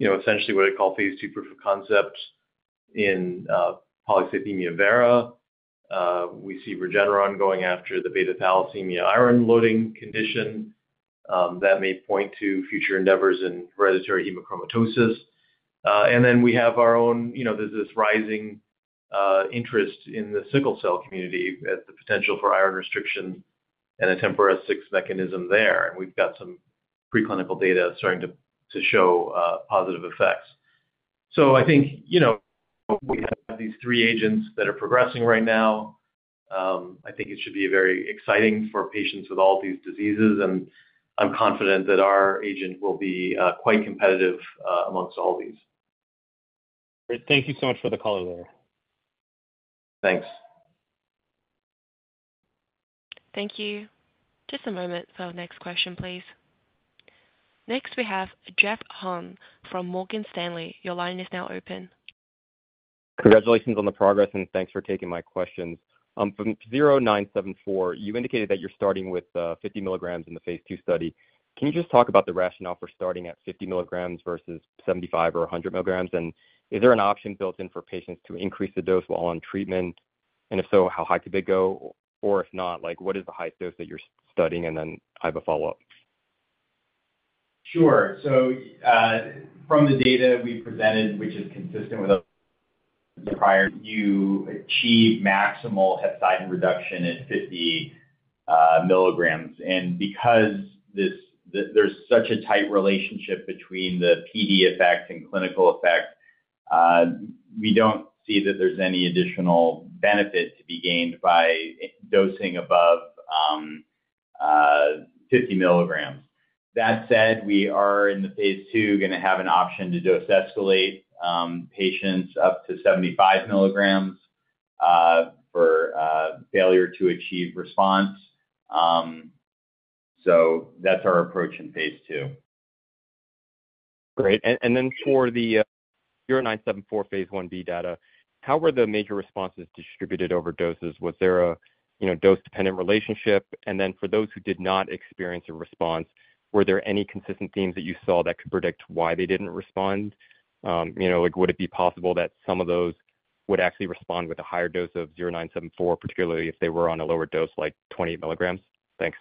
essentially what I call phase two proof of concept in polycythemia vera. We see Regeneron going after the beta thalassemia iron loading condition. That may point to future endeavors in hereditary hemochromatosis. And then we have our own. There's this rising interest in the sickle cell community at the potential for iron restriction and a TMPRSS6 mechanism there. And we've got some preclinical data starting to show positive effects. I think we have these three agents that are progressing right now. I think it should be very exciting for patients with all these diseases, and I'm confident that our agent will be quite competitive amongst all these. Thank you so much for the call. Thanks. Thank you. Just a moment. So next question, please. Next, we have Jeff Hung from Morgan Stanley. Your line is now open. Congratulations on the progress, and thanks for taking my questions. From DISC-0974, you indicated that you're starting with 50 milligrams in the phase 2 study. Can you just talk about the rationale for starting at 50 milligrams versus 75 or 100 milligrams? And is there an option built in for patients to increase the dose while on treatment? And if so, how high could they go? Or if not, what is the highest dose that you're studying? And then I have a follow-up. Sure. So from the data we presented, which is consistent with prior, you achieve maximal hepcidin reduction at 50 milligrams. And because there's such a tight relationship between the PD effect and clinical effect, we don't see that there's any additional benefit to be gained by dosing above 50 milligrams. That said, we are in the phase 2 going to have an option to dose escalate patients up to 75 milligrams for failure to achieve response. So that's our approach in phase 2. Great. And then for the 0974 phase 1b data, how were the major responses distributed over doses? Was there a dose-dependent relationship? And then for those who did not experience a response, were there any consistent themes that you saw that could predict why they didn't respond? Would it be possible that some of those would actually respond with a higher dose of 0974, particularly if they were on a lower dose like 28 milligrams? Thanks.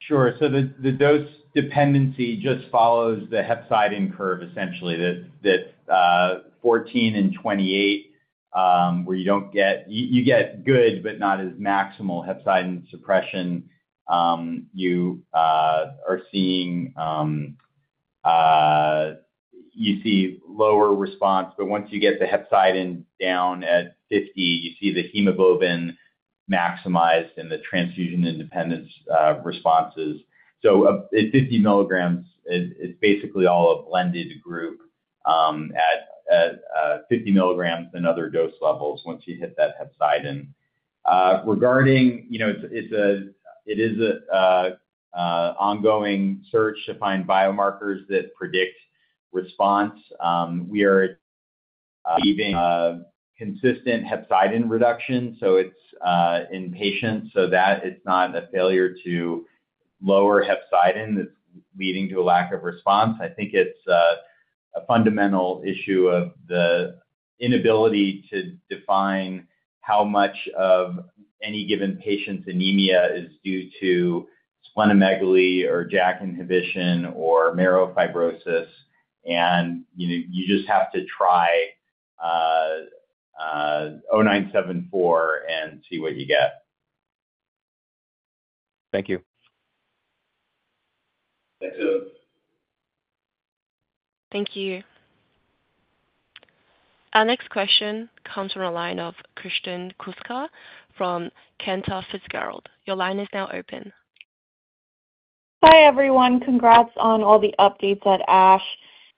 Sure. So the dose dependency just follows the hepcidin curve, essentially, that 14 and 28, where you get good, but not as maximal hepcidin suppression. You see lower response, but once you get the hepcidin down at 50, you see the hemoglobin maximized and the transfusion independence responses. So at 50 milligrams, it's basically all a blended group at 50 milligrams and other dose levels once you hit that hepcidin. Regarding, it is an ongoing search to find biomarkers that predict response. We are achieving consistent hepcidin reduction, so it's in patients. So that it's not a failure to lower hepcidin that's leading to a lack of response. I think it's a fundamental issue of the inability to define how much of any given patient's anemia is due to splenomegaly or JAK inhibition or marrow fibrosis. You just have to try 0974 and see what you get. Thank you. Thanks, Jeff. Thank you. Our next question comes from a line of Kristen Kluska from Cantor Fitzgerald. Your line is now open. Hi, everyone. Congrats on all the updates that ASH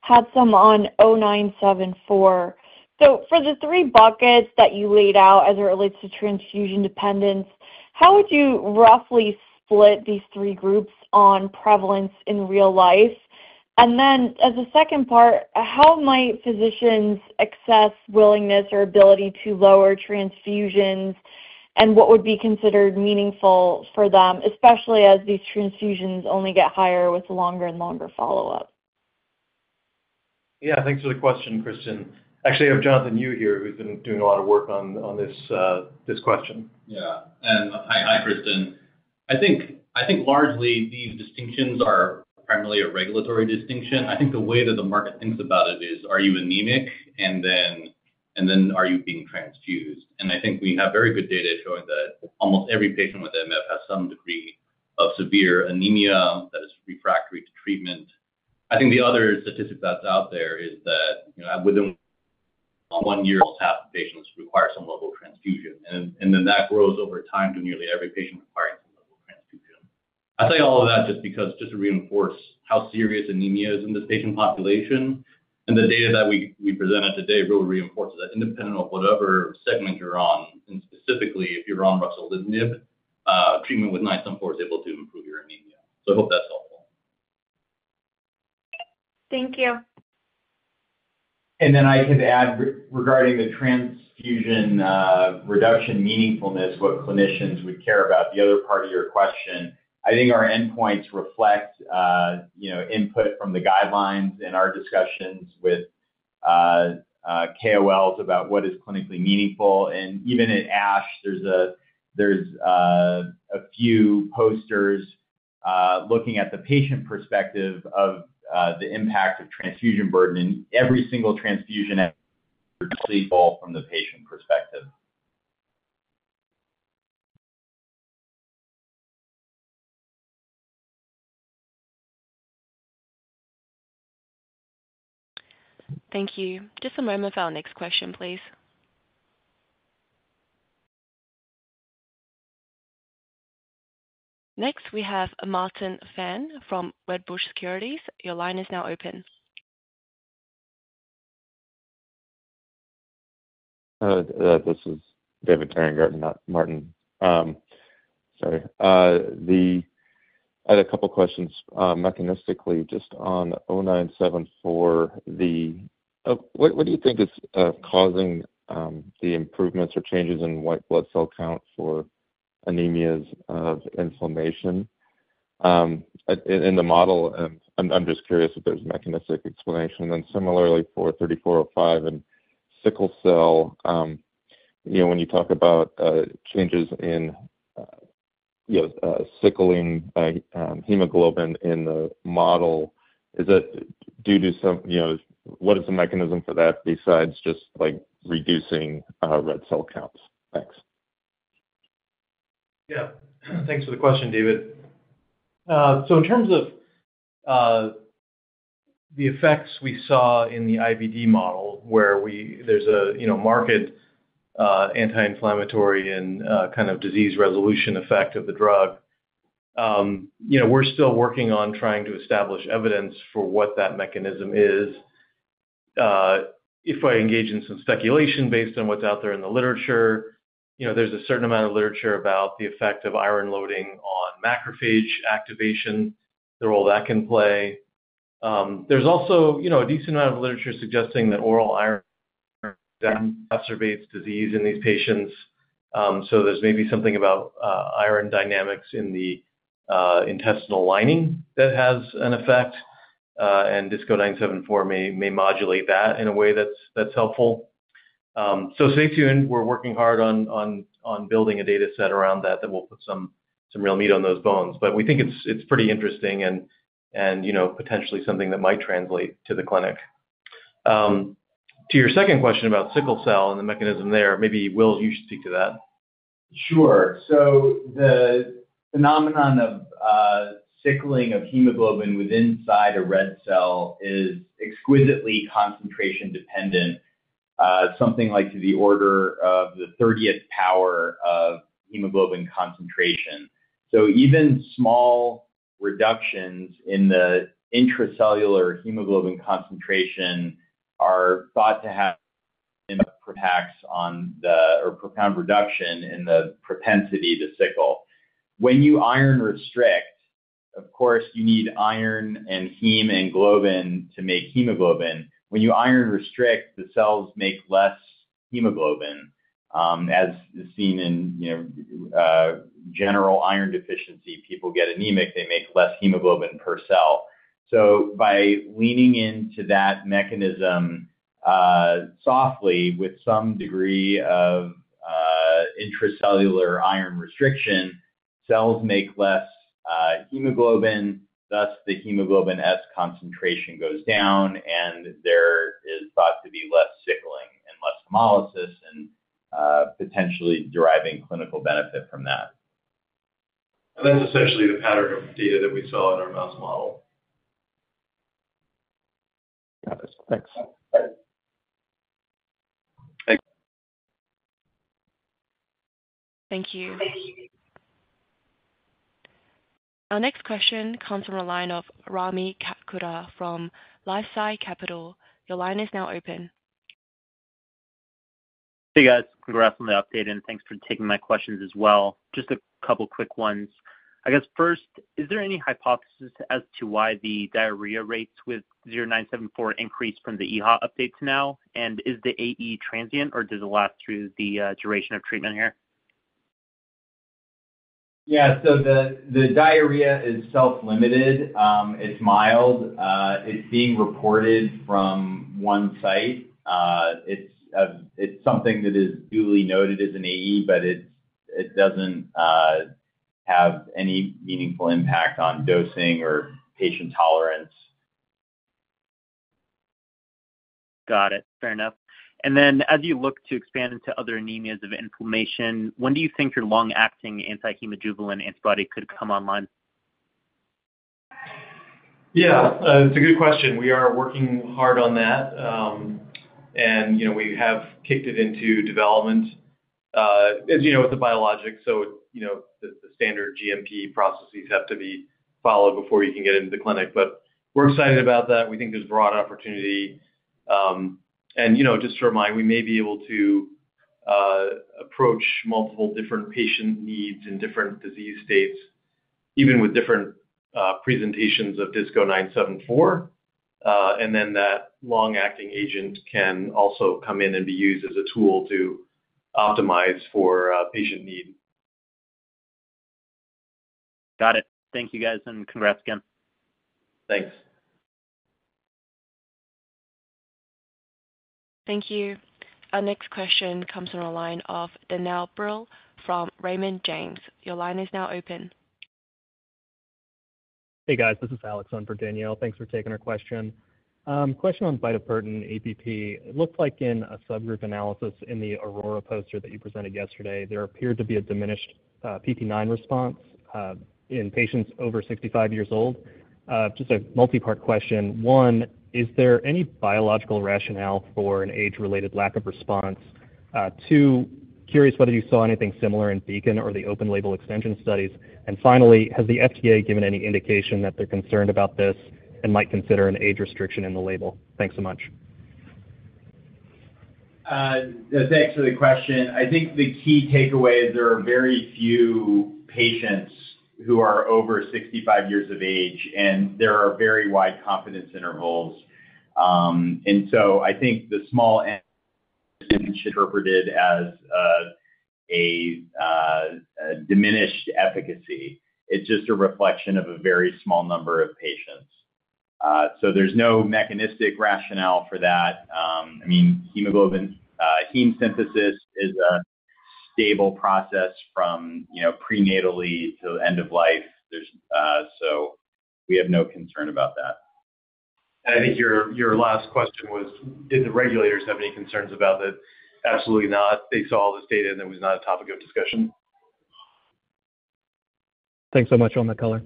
had some on 0974. So for the three buckets that you laid out as it relates to transfusion dependence, how would you roughly split these three groups on prevalence in real life? And then as a second part, how might physicians assess willingness or ability to lower transfusions, and what would be considered meaningful for them, especially as these transfusions only get higher with longer and longer follow-up? Yeah, thanks for the question, Kristen. Actually, I have Jonathan Yu here who's been doing a lot of work on this question. Yeah. And hi, Kristen. I think largely these distinctions are primarily a regulatory distinction. I think the way that the market thinks about it is, are you anemic, and then are you being transfused? And I think we have very good data showing that almost every patient with MF has some degree of severe anemia that is refractory to treatment. I think the other statistic that's out there is that within one year, almost half of patients require some level of transfusion. And then that grows over time to nearly every patient requiring some level of transfusion. I say all of that just because to reinforce how serious anemia is in this patient population. And the data that we presented today really reinforces that independent of whatever segment you're on, and specifically if you're on ruxolitinib, treatment with 0974 is able to improve your anemia. I hope that's helpful. Thank you. And then I could add regarding the transfusion reduction meaningfulness, what clinicians would care about. The other part of your question, I think our endpoints reflect input from the guidelines and our discussions with KOLs about what is clinically meaningful. And even at ASH, there's a few posters looking at the patient perspective of the impact of transfusion burden, and every single transfusion is a burden from the patient perspective. Thank you. Just a moment for our next question, please. Next, we have Martin Fan from Wedbush Securities. Your line is now open. This is David Nierengarten, not Martin. Sorry. I had a couple of questions mechanistically just on 0974. What do you think is causing the improvements or changes in white blood cell count for anemias of inflammation in the model? I'm just curious if there's a mechanistic explanation. And then similarly for 3405 and sickle cell, when you talk about changes in sickling hemoglobin in the model, is it due to some what is the mechanism for that besides just reducing red cell counts? Thanks. Yeah. Thanks for the question, David. So in terms of the effects we saw in the IBD model, where there's a marked anti-inflammatory and kind of disease resolution effect of the drug, we're still working on trying to establish evidence for what that mechanism is. If I engage in some speculation based on what's out there in the literature, there's a certain amount of literature about the effect of iron loading on macrophage activation, the role that can play. There's also a decent amount of literature suggesting that oral iron exacerbates disease in these patients. So there's maybe something about iron dynamics in the intestinal lining that has an effect. And DISC-0974 may modulate that in a way that's helpful. So stay tuned. We're working hard on building a data set around that that will put some real meat on those bones. But we think it's pretty interesting and potentially something that might translate to the clinic. To your second question about sickle cell and the mechanism there, maybe Will, you should speak to that. Sure. So the phenomenon of sickling of hemoglobin within a red cell is exquisitely concentration dependent, something like on the order of the 30th power of hemoglobin concentration. So even small reductions in the intracellular hemoglobin concentration are thought to have a profound impact on the propensity to sickle. When you iron restrict, of course, you need iron and heme and globin to make hemoglobin. When you iron restrict, the cells make less hemoglobin, as seen in general iron deficiency. People get anemic. They make less hemoglobin per cell. So by leaning into that mechanism softly with some degree of intracellular iron restriction, cells make less hemoglobin. Thus, the hemoglobin S concentration goes down, and there is thought to be less sickling and less hemolysis and potentially deriving clinical benefit from that. That's essentially the pattern of data that we saw in our mouse model. Got it. Thanks. Thank you. Our next question comes from a line of Rami Katkhuda from LifeSci Capital. Your line is now open. Hey, guys. Congrats on the update, and thanks for taking my questions as well. Just a couple of quick ones. I guess first, is there any hypothesis as to why the diarrhea rates with 0974 increased from the EHA updates now? And is the AE transient, or does it last through the duration of treatment here? Yeah. So the diarrhea is self-limited. It's mild. It's being reported from one site. It's something that is duly noted as an AE, but it doesn't have any meaningful impact on dosing or patient tolerance. Got it. Fair enough. And then as you look to expand into other anemias of inflammation, when do you think your long-acting anti-hemojuvelin antibody could come online? Yeah. It's a good question. We are working hard on that, and we have kicked it into development. As you know, it's a biologic, so the standard GMP processes have to be followed before you can get into the clinic. But we're excited about that. We think there's broad opportunity. And just to remind, we may be able to approach multiple different patient needs in different disease states, even with different presentations of DISC-0974. And then that long-acting agent can also come in and be used as a tool to optimize for patient need. Got it. Thank you, guys, and congrats again. Thanks. Thank you. Our next question comes from a line of Danielle Brill from Raymond James. Your line is now open. Hey, guys. This is Alex on for Danielle. Thanks for taking our question. Question on bitopertin EPP. It looked like in a subgroup analysis in the Aurora poster that you presented yesterday, there appeared to be a diminished PPIX response in patients over 65 years old. Just a multi-part question. One, is there any biological rationale for an age-related lack of response? Two, curious whether you saw anything similar in Beacon or the open-label extension studies. And finally, has the FDA given any indication that they're concerned about this and might consider an age restriction in the label? Thanks so much. Thanks for the question. I think the key takeaway is there are very few patients who are over 65 years of age, and there are very wide confidence intervals. And so I think the small endpoint isn't interpreted as a diminished efficacy. It's just a reflection of a very small number of patients. So there's no mechanistic rationale for that. I mean, heme synthesis is a stable process from prenatally to end of life. So we have no concern about that. And I think your last question was, did the regulators have any concerns about that? Absolutely not. They saw all this data, and it was not a topic of discussion. Thanks so much, on the call.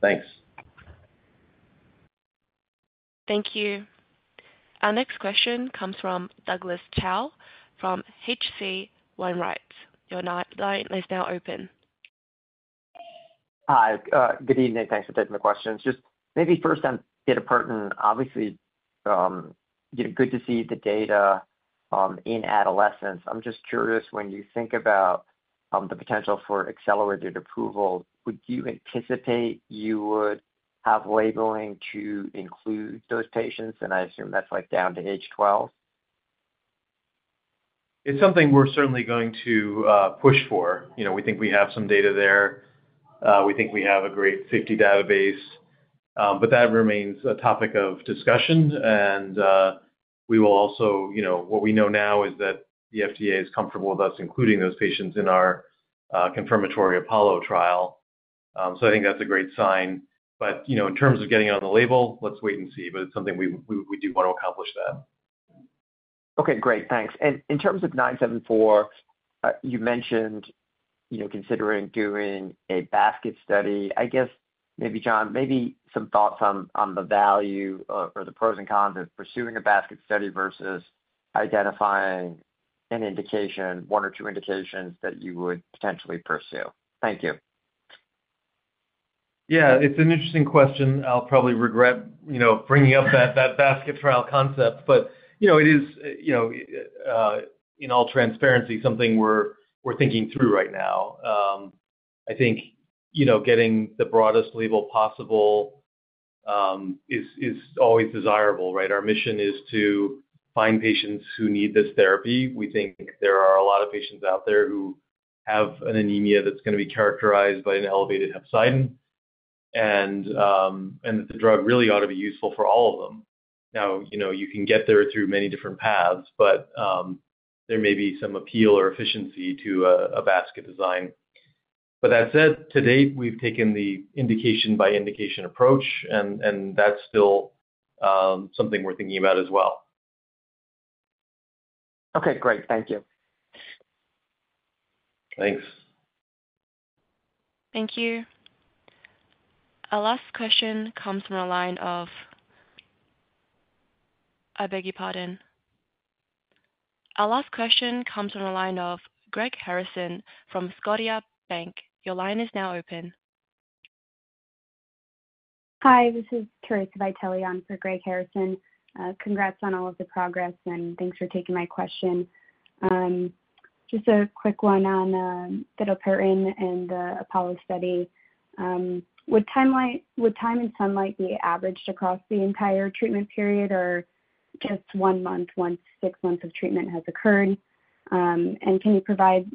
Thanks. Thank you. Our next question comes from Douglas Tsao from H.C. Wainwright. Your line is now open. Hi. Good evening. Thanks for taking the question. Just maybe first on bitopertin, obviously, good to see the data in adolescents. I'm just curious, when you think about the potential for accelerated approval, would you anticipate you would have labeling to include those patients? And I assume that's down to age 12. It's something we're certainly going to push for. We think we have some data there. We think we have a great safety database. But that remains a topic of discussion. And what we know now is that the FDA is comfortable with us including those patients in our confirmatory Apollo trial. So I think that's a great sign. But in terms of getting on the label, let's wait and see. But it's something we do want to accomplish, that. Okay. Great. Thanks. And in terms of DISC-0974, you mentioned considering doing a basket study. I guess maybe, John, maybe some thoughts on the value or the pros and cons of pursuing a basket study versus identifying one or two indications that you would potentially pursue. Thank you. Yeah. It's an interesting question. I'll probably regret bringing up that basket trial concept. But it is, in all transparency, something we're thinking through right now. I think getting the broadest label possible is always desirable, right? Our mission is to find patients who need this therapy. We think there are a lot of patients out there who have an anemia that's going to be characterized by an elevated hepcidin, and the drug really ought to be useful for all of them. Now, you can get there through many different paths, but there may be some appeal or efficiency to a basket design. But that said, to date, we've taken the indication-by-indication approach, and that's still something we're thinking about as well. Okay. Great. Thank you. Thanks. Thank you. Our last question comes from a line of Greg Harrison from Scotiabank. Your line is now open. Hi. This is Teresa Vitale on for Greg Harrison. Congrats on all of the progress, and thanks for taking my question. Just a quick one on bitopertin and the Apollo study. Would time and sunlight be averaged across the entire treatment period or just one month once six months of treatment has occurred? And can you provide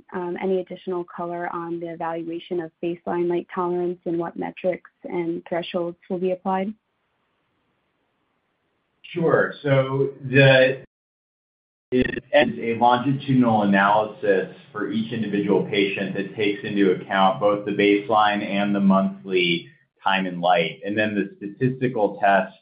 any additional color on the evaluation of baseline light tolerance and what metrics and thresholds will be applied? Sure. So it's a longitudinal analysis for each individual patient that takes into account both the baseline and the monthly time and light. And then the statistical test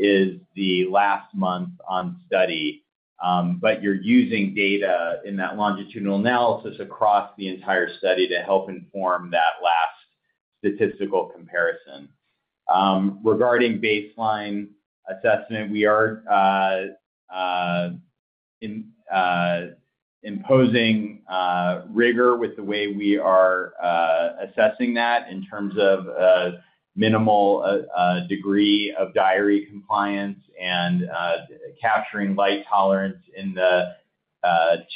is the last month on study. But you're using data in that longitudinal analysis across the entire study to help inform that last statistical comparison. Regarding baseline assessment, we are imposing rigor with the way we are assessing that in terms of minimal degree of diary compliance and capturing light tolerance in the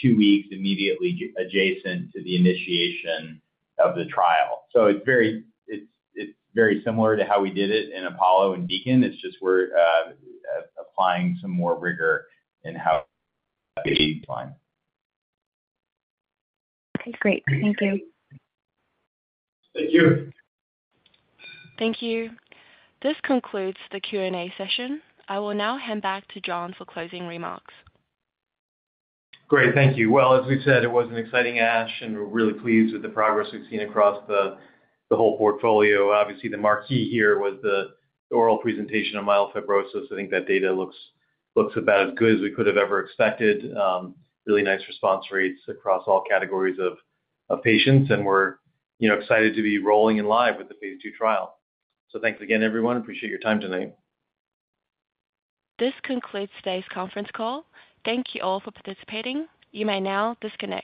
two weeks immediately adjacent to the initiation of the trial. So it's very similar to how we did it in Apollo and Beacon. It's just we're applying some more rigor in how we do baseline. Okay. Great. Thank you. Thank you. Thank you. This concludes the Q&A session. I will now hand back to John for closing remarks. Great. Thank you. As we've said, it was an exciting ASH, and we're really pleased with the progress we've seen across the whole portfolio. Obviously, the marquee here was the oral presentation of myelofibrosis. I think that data looks about as good as we could have ever expected. Really nice response rates across all categories of patients, and we're excited to be rolling and live with the phase 2 trial, so thanks again, everyone. Appreciate your time tonight. This concludes today's conference call. Thank you all for participating. You may now disconnect.